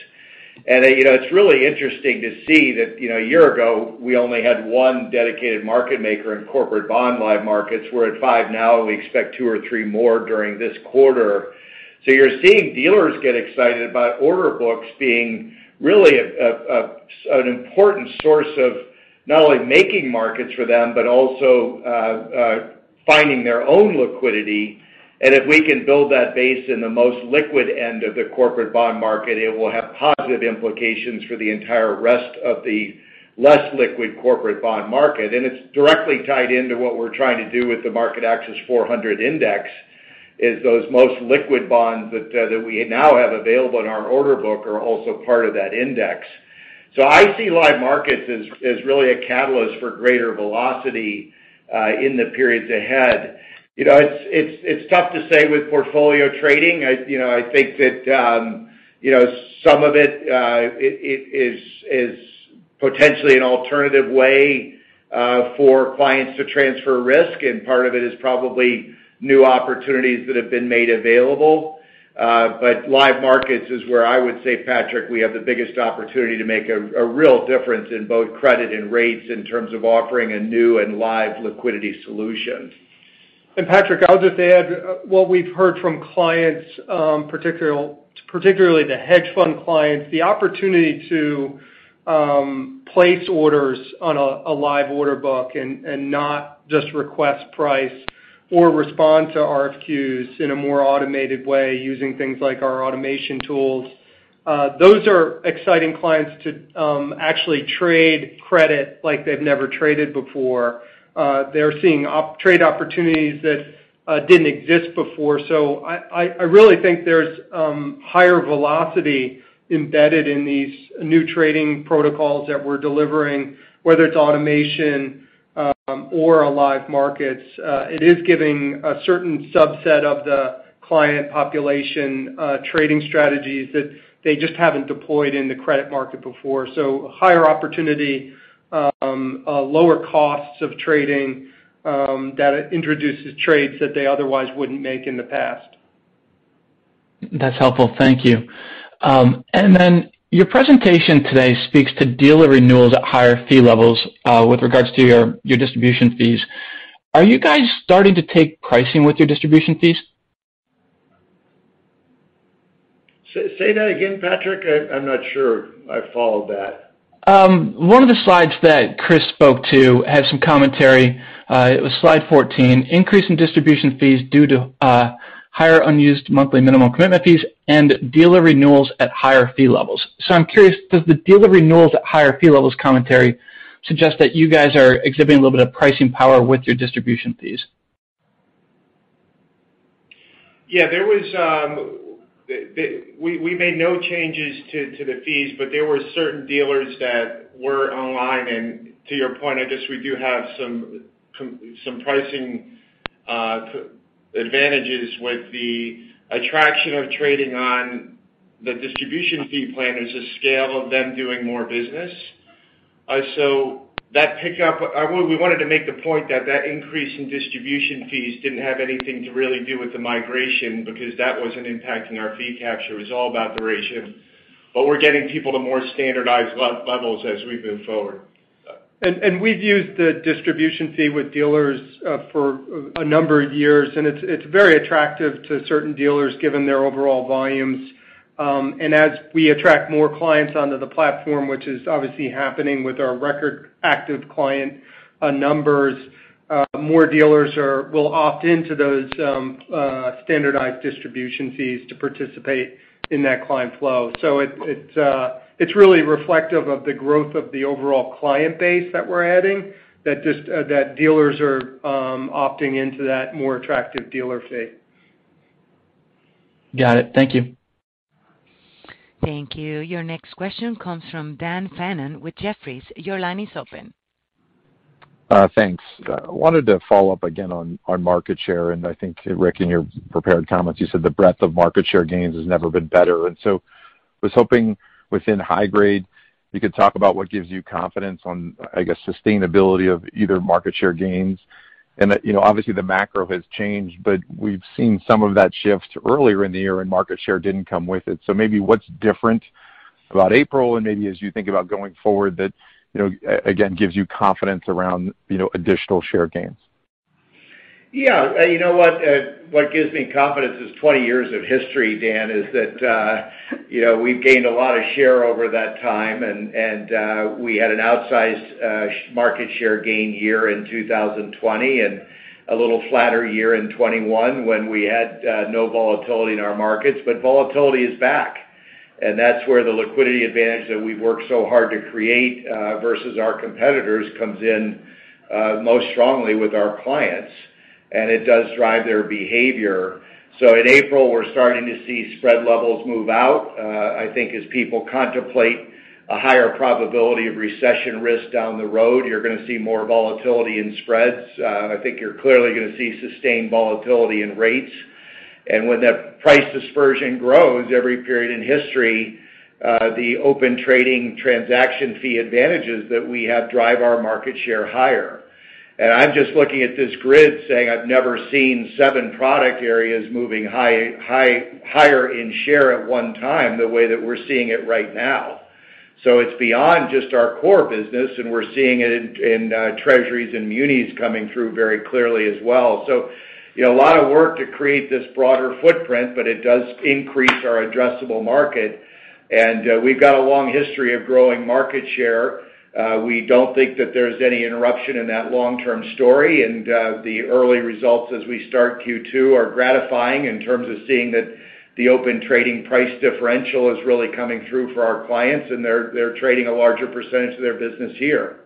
You know, it's really interesting to see that, you know, a year ago, we only had one dedicated market maker in corporate bond Live Markets. We're at 5 now, and we expect two or three more during this quarter. You're seeing dealers get excited about order books being really an important source of not only making markets for them, but also finding their own liquidity. If we can build that base in the most liquid end of the corporate bond market, it will have positive implications for the entire rest of the less liquid corporate bond market. It's directly tied into what we're trying to do with the MarketAxess 400 Index, is those most liquid bonds that we now have available in our order book are also part of that index. I see Live Markets as really a catalyst for greater velocity in the periods ahead. You know, it's tough to say with portfolio trading. You know, I think that you know some of it is potentially an alternative way for clients to transfer risk, and part of it is probably new opportunities that have been made available. Live Markets is where I would say, Patrick, we have the biggest opportunity to make a real difference in both credit and rates in terms of offering a new and live liquidity solution. Patrick, I'll just add what we've heard from clients, particularly the hedge fund clients, the opportunity to place orders on a live order book and not just request price or respond to RFQs in a more automated way using things like our automation tools. Those are exciting clients to actually trade credit like they've never traded before. They're seeing trade opportunities that didn't exist before. So I really think there's higher velocity embedded in these new trading protocols that we're delivering, whether it's automation or Live Markets. It is giving a certain subset of the client population trading strategies that they just haven't deployed in the credit market before. So higher opportunity, lower costs of trading, that introduces trades that they otherwise wouldn't make in the past. That's helpful. Thank you. Your presentation today speaks to dealer renewals at higher fee levels, with regards to your distribution fees. Are you guys starting to take pricing with your distribution fees? Say that again, Patrick. I'm not sure I followed that. One of the slides that Chris spoke to had some commentary. It was slide 14, increase in distribution fees due to higher unused monthly minimum commitment fees and dealer renewals at higher fee levels. I'm curious, does the dealer renewals at higher fee levels commentary suggest that you guys are exhibiting a little bit of pricing power with your distribution fees? Yeah. There was. We made no changes to the fees, but there were certain dealers that were online. To your point, I guess we do have some pricing advantages with the attraction of trading on the distribution fee plan as they scale of them doing more business. That pick up. Well, we wanted to make the point that that increase in distribution fees didn't have anything to really do with the migration because that wasn't impacting our fee capture. It was all about the ratio. We're getting people to more standardized levels as we move forward. We've used the distribution fee with dealers for a number of years, and it's very attractive to certain dealers given their overall volumes. As we attract more clients onto the platform, which is obviously happening with our record active client numbers, more dealers will opt into those standardized distribution fees to participate in that client flow. It's really reflective of the growth of the overall client base that we're adding that dealers are opting into that more attractive dealer fee. Got it. Thank you. Thank you. Your next question comes from Dan Fannon with Jefferies. Your line is open. Thanks. I wanted to follow up again on market share, and I think, Rick, in your prepared comments, you said the breadth of market share gains has never been better. I was hoping within high grade, you could talk about what gives you confidence on, I guess, sustainability of either market share gains and that, you know, obviously the macro has changed, but we've seen some of that shift earlier in the year and market share didn't come with it. Maybe what's different about April and maybe as you think about going forward that, you know, again, gives you confidence around, you know, additional share gains? Yeah. You know what? What gives me confidence is 20 years of history, Dan, is that, you know, we've gained a lot of share over that time and we had an outsized market share gain year in 2020 and a little flatter year in 2021 when we had no volatility in our markets. Volatility is back, and that's where the liquidity advantage that we've worked so hard to create versus our competitors comes in most strongly with our clients, and it does drive their behavior. In April, we're starting to see spread levels move out. I think as people contemplate a higher probability of recession risk down the road, you're gonna see more volatility in spreads. I think you're clearly gonna see sustained volatility in rates. When that price dispersion grows every period in history, the Open Trading transaction fee advantages that we have drive our market share higher. I'm just looking at this grid saying I've never seen seven product areas moving high, high, higher in share at one time the way that we're seeing it right now. It's beyond just our core business, and we're seeing it in treasuries and munis coming through very clearly as well. You know, a lot of work to create this broader footprint, but it does increase our addressable market. We've got a long history of growing market share. We don't think that there's any interruption in that long-term story. The early results as we start Q2 are gratifying in terms of seeing that the Open Trading price differential is really coming through for our clients, and they're trading a larger percentage of their business here.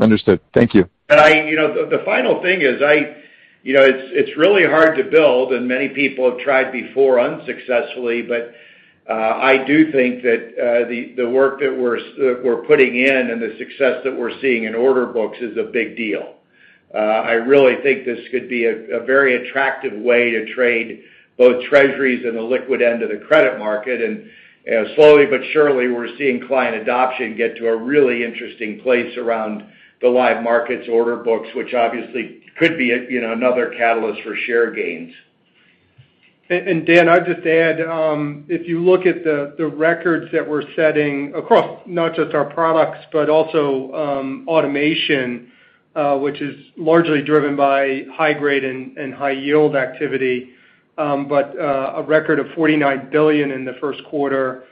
Understood. Thank you. You know, the final thing is I. You know, it's really hard to build, and many people have tried before unsuccessfully, but I do think that the work that we're putting in and the success that we're seeing in order books is a big deal. I really think this could be a very attractive way to trade both treasuries and the liquid end of the credit market. Slowly but surely, we're seeing client adoption get to a really interesting place around the Live Markets order books, which obviously could be another catalyst for share gains. Dan, I'd just add, if you look at the records that we're setting across not just our products, but also automation, which is largely driven by high grade and high yield activity, but a record of $49 billion in the first quarter,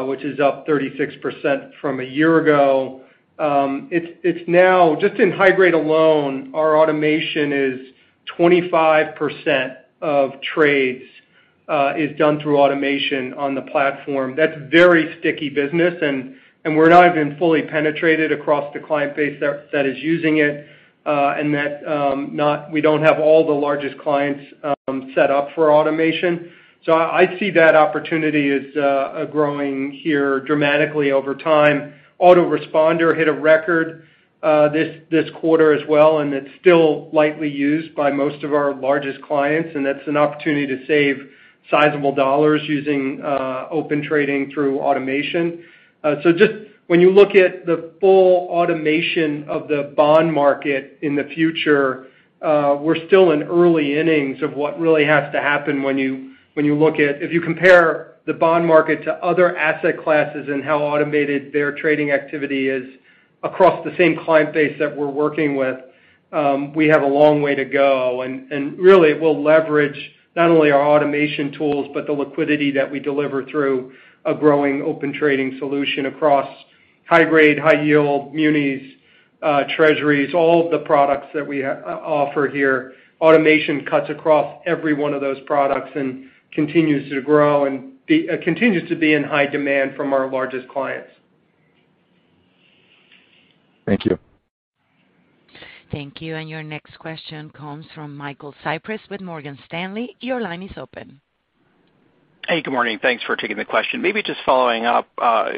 which is up 36% from a year ago, it's now. Just in high grade alone, our automation is 25% of trades is done through automation on the platform. That's very sticky business and we're not even fully penetrated across the client base that is using it, and we don't have all the largest clients set up for automation. I see that opportunity as growing here dramatically over time. Auto-Responder hit a record this quarter as well, and it's still lightly used by most of our largest clients, and that's an opportunity to save sizable dollars using Open Trading through automation. Just when you look at the full automation of the bond market in the future, we're still in early innings of what really has to happen. If you compare the bond market to other asset classes and how automated their trading activity is across the same client base that we're working with, we have a long way to go. Really, we'll leverage not only our automation tools, but the liquidity that we deliver through a growing Open Trading solution across high grade, high yield, munis, treasuries, all of the products that we offer here. Automation cuts across every one of those products and continues to grow and continues to be in high demand from our largest clients. Thank you. Thank you. Your next question comes from Michael Cyprys with Morgan Stanley. Your line is open. Hey, good morning. Thanks for taking the question. Maybe just following up,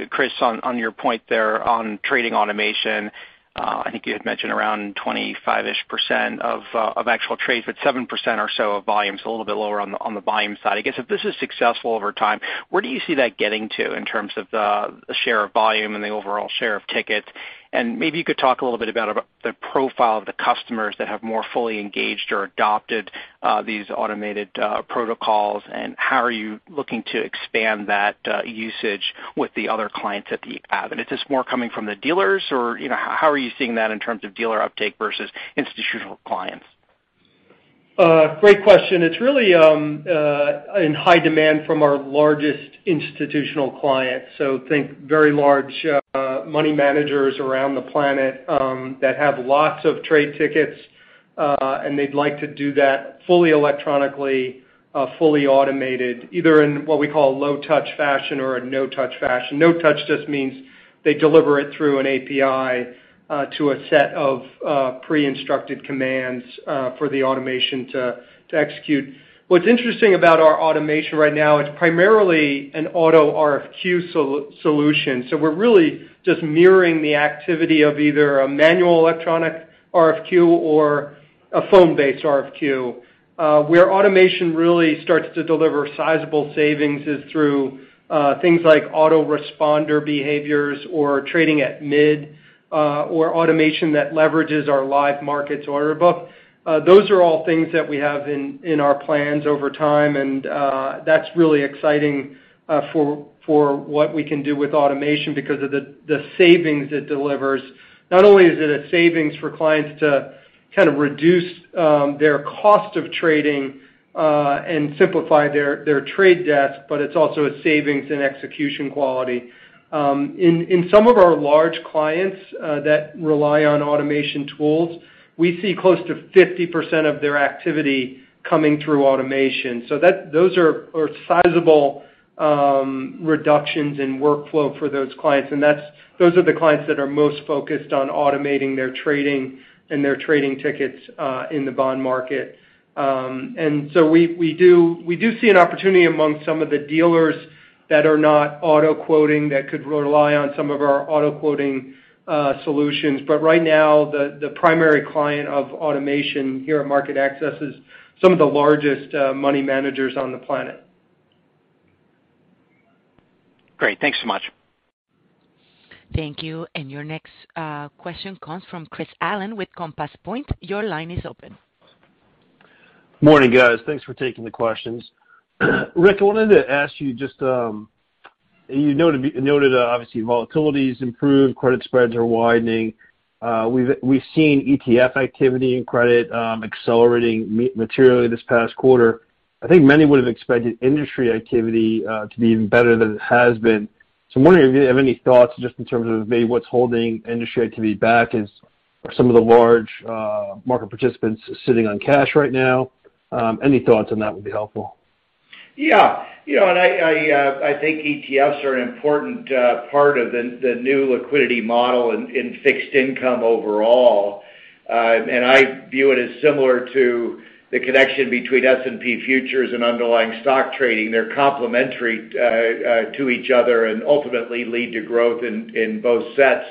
Chris, on your point there on trading automation. I think you had mentioned around 25-ish% of actual trades, but 7% or so of volume, so a little bit lower on the volume side. I guess if this is successful over time, where do you see that getting to in terms of the share of volume and the overall share of tickets? And maybe you could talk a little bit about the profile of the customers that have more fully engaged or adopted these automated protocols, and how are you looking to expand that usage with the other clients that you have? Is this more coming from the dealers or, you know, how are you seeing that in terms of dealer uptake versus institutional clients? Great question. It's really in high demand from our largest institutional clients. Think very large money managers around the planet that have lots of trade tickets and they'd like to do that fully electronically, fully automated, either in what we call a low-touch fashion or a no-touch fashion. No touch just means they deliver it through an API to a set of pre-instructed commands for the automation to execute. What's interesting about our automation right now, it's primarily an auto RFQ solution. We're really just mirroring the activity of either a manual electronic RFQ or a phone-based RFQ. Where automation really starts to deliver sizable savings is through things like Auto-Responder behaviors or trading at mid or automation that leverages our Live Markets order book. Those are all things that we have in our plans over time, and that's really exciting for what we can do with automation because of the savings it delivers. Not only is it a savings for clients to Kind of reduce their cost of trading and simplify their trade desk, but it's also a savings and execution quality. In some of our large clients that rely on automation tools, we see close to 50% of their activity coming through automation. Those are sizable reductions in workflow for those clients. Those are the clients that are most focused on automating their trading and their trading tickets in the bond market. We do see an opportunity among some of the dealers that are not auto quoting that could rely on some of our auto quoting solutions. Right now, the primary client of automation here at MarketAxess is some of the largest money managers on the planet. Great. Thanks so much. Thank you. Your next question comes from Chris Allen with Compass Point. Your line is open. Morning, guys. Thanks for taking the questions. Rick, I wanted to ask you just, you know, to be noted, obviously, volatility's improved, credit spreads are widening. We've seen ETF activity in credit accelerating materially this past quarter. I think many would have expected industry activity to be even better than it has been. I'm wondering if you have any thoughts just in terms of maybe what's holding industry activity back. Is some of the large market participants sitting on cash right now? Any thoughts on that would be helpful. Yeah. You know, I think ETFs are an important part of the new liquidity model in fixed income overall. I view it as similar to the connection between S&P futures and underlying stock trading. They're complementary to each other and ultimately lead to growth in both sets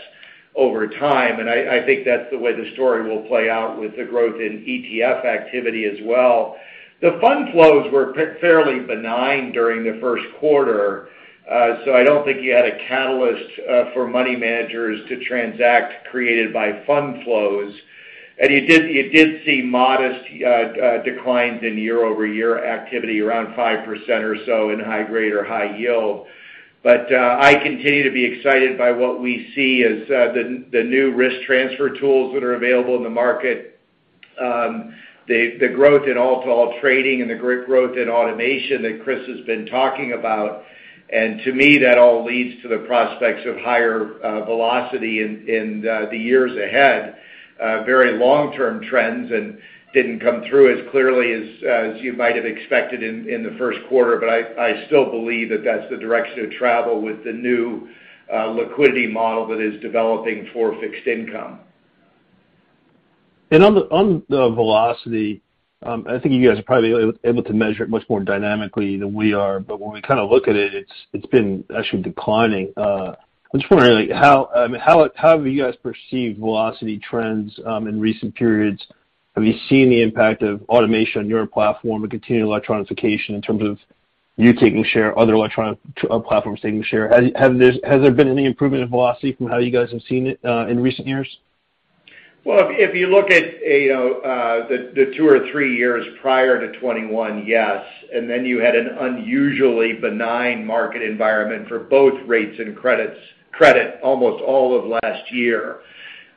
over time. I think that's the way the story will play out with the growth in ETF activity as well. The fund flows were fairly benign during the first quarter, so I don't think you had a catalyst for money managers to transact created by fund flows. You did see modest declines in year-over-year activity, around 5% or so in high grade or high yield. I continue to be excited by what we see as the new risk transfer tools that are available in the market, the growth in all-to-all trading and the great growth in automation that Chris has been talking about. To me, that all leads to the prospects of higher velocity in the years ahead, very long-term trends, and didn't come through as clearly as you might have expected in the first quarter. I still believe that that's the direction of travel with the new liquidity model that is developing for fixed income. On the velocity, I think you guys are probably able to measure it much more dynamically than we are. When we kind of look at it's been actually declining. I'm just wondering, like, I mean, how have you guys perceived velocity trends in recent periods? Have you seen the impact of automation on your platform and continued electronification in terms of you taking share, other electronic platforms taking share? Has there been any improvement in velocity from how you guys have seen it in recent years? If you look at, you know, the two or three years prior to 2021, yes. Then you had an unusually benign market environment for both rates and credit almost all of last year.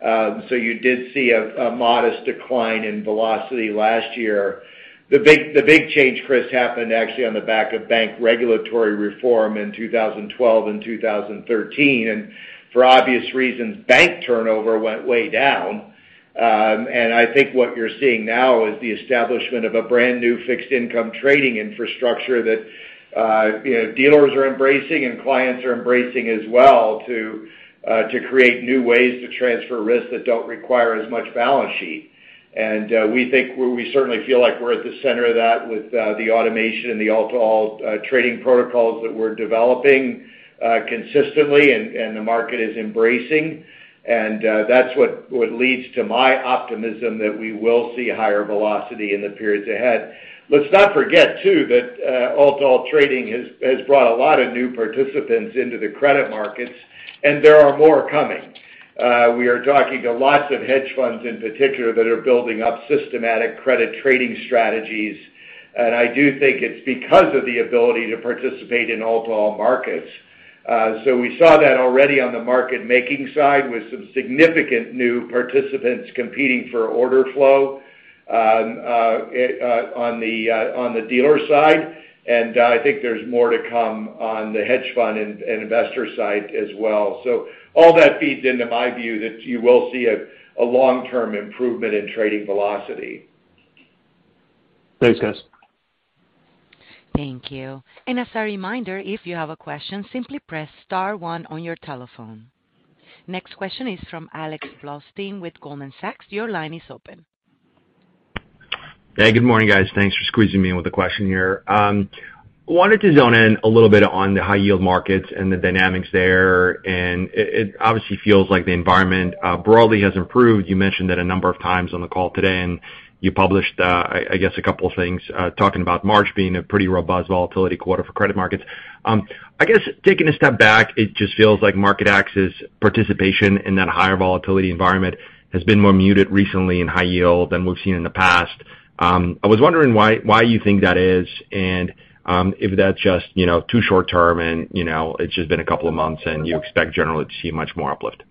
So you did see a modest decline in velocity last year. The big change, Chris, happened actually on the back of bank regulatory reform in 2012 and 2013. For obvious reasons, bank turnover went way down. I think what you're seeing now is the establishment of a brand new fixed income trading infrastructure that, you know, dealers are embracing and clients are embracing as well to create new ways to transfer risks that don't require as much balance sheet. We certainly feel like we're at the center of that with the automation and the all-to-all trading protocols that we're developing consistently and the market is embracing. That's what leads to my optimism that we will see higher velocity in the periods ahead. Let's not forget, too, that all-to-all trading has brought a lot of new participants into the credit markets, and there are more coming. We are talking to lots of hedge funds in particular that are building up systematic credit trading strategies. I do think it's because of the ability to participate in all-to-all markets. We saw that already on the market making side with some significant new participants competing for order flow on the dealer side. I think there's more to come on the hedge fund and investor side as well. All that feeds into my view that you will see a long-term improvement in trading velocity. Thanks, guys. Thank you. As a reminder, if you have a question, simply press star one on your telephone. Next question is from Alex Blostein with Goldman Sachs. Your line is open. Hey, good morning, guys. Thanks for squeezing me in with a question here. Wanted to zone in a little bit on the high yield markets and the dynamics there. It obviously feels like the environment broadly has improved. You mentioned it a number of times on the call today, and you published, I guess, a couple of things talking about March being a pretty robust, volatile quarter for credit markets. I guess taking a step back, it just feels like MarketAxess' participation in that higher volatility environment has been more muted recently in high yield than we've seen in the past. I was wondering why you think that is and if that's just, you know, too short term and, you know, it's just been a couple of months and you expect generally to see much more uplift.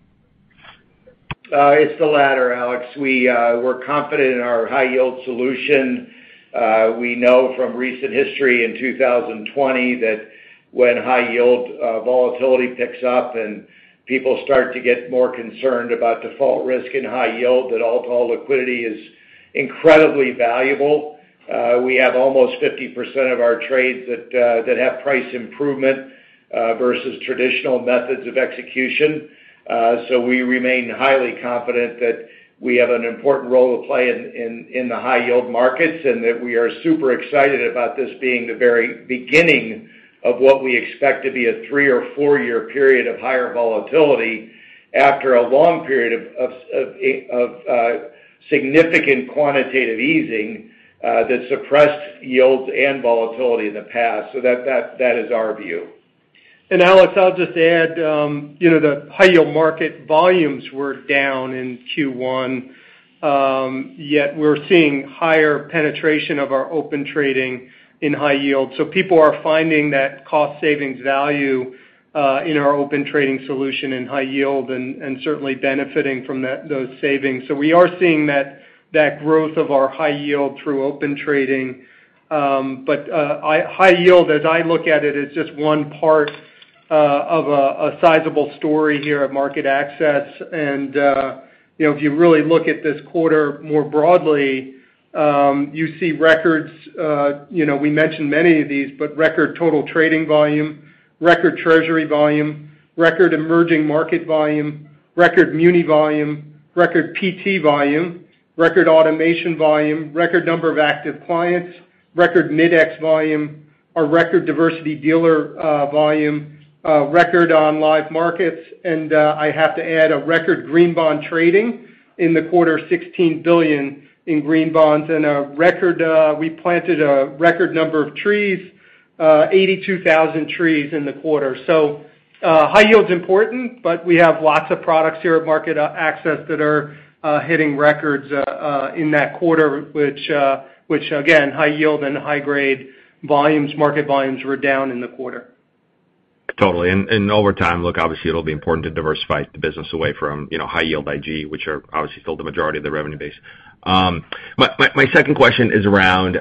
It's the latter, Alex. We're confident in our high-yield solution. We know from recent history in 2020 that when high yield volatility picks up and people start to get more concerned about default risk and high yield, that all total liquidity is incredibly valuable. We have almost 50% of our trades that have price improvement versus traditional methods of execution. We remain highly confident that we have an important role to play in the high-yield markets, and that we are super excited about this being the very beginning of what we expect to be a three or four year period of higher volatility after a long period of significant quantitative easing that suppressed yields and volatility in the past. That is our view. Alex, I'll just add, you know, the high-yield market volumes were down in Q1, yet we're seeing higher penetration of our Open Trading in high-yield. People are finding that cost savings value in our Open Trading solution in high-yield and certainly benefiting from those savings. We are seeing that growth of our high-yield through Open Trading. High-yield, as I look at it, is just one part of a sizable story here at MarketAxess. You know, if you really look at this quarter more broadly, you see records. You know, we mentioned many of these, but record total trading volume, record Treasury volume, record emerging market volume, record muni volume, record PT volume, record automation volume, record number of active clients, record Mid-X volume, a record diversified dealer volume, record on Live Markets. I have to add a record green bond trading in the quarter $16 billion in green bonds and a record we planted a record number of trees 82,000 trees in the quarter. High yield's important, but we have lots of products here at MarketAxess that are hitting records in that quarter, which again, high yield and high-grade volumes, market volumes were down in the quarter. Totally. Over time, look, obviously it'll be important to diversify the business away from, you know, high yield IG, which are obviously still the majority of the revenue base. My second question is around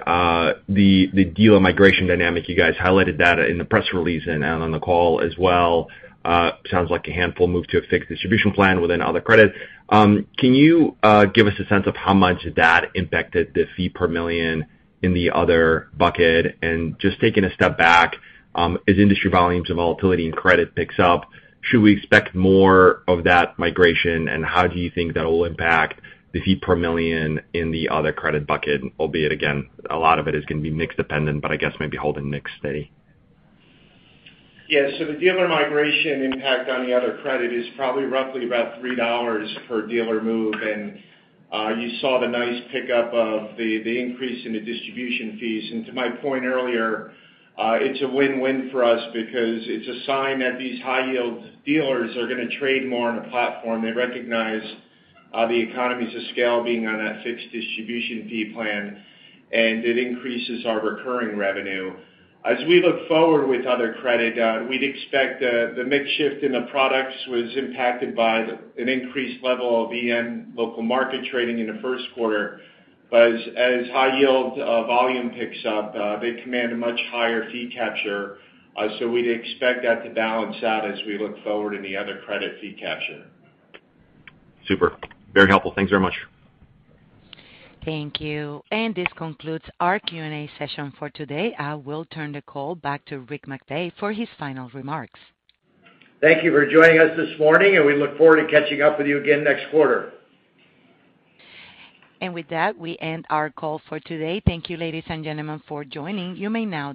the dealer migration dynamic. You guys highlighted that in the press release and on the call as well. Sounds like a handful move to a fixed distribution plan within other credit. Can you give us a sense of how much that impacted the fee per million in the other bucket? Just taking a step back, as industry volumes and volatility and credit picks up, should we expect more of that migration, and how do you think that will impact the fee per million in the other credit bucket? Albeit again, a lot of it is gonna be mix dependent, but I guess maybe holding mix steady. Yeah. The dealer migration impact on the other credit is probably roughly about $3 per dealer move. You saw the nice pickup of the increase in the distribution fees. To my point earlier, it's a win-win for us because it's a sign that these high-yield dealers are gonna trade more on a platform. They recognize the economies of scale being on that fixed distribution fee plan, and it increases our recurring revenue. As we look forward with other credit, we'd expect the mix shift in the products was impacted by an increased level of EM local market trading in the first quarter. As high-yield volume picks up, they command a much higher fee capture. We'd expect that to balance out as we look forward in the other credit fee capture. Super, very helpful. Thanks very much. Thank you. This concludes our Q&A session for today. I will turn the call back to Rick McVey for his final remarks. Thank you for joining us this morning, and we look forward to catching up with you again next quarter. With that, we end our call for today. Thank you, ladies and gentlemen, for joining. You may now disconnect.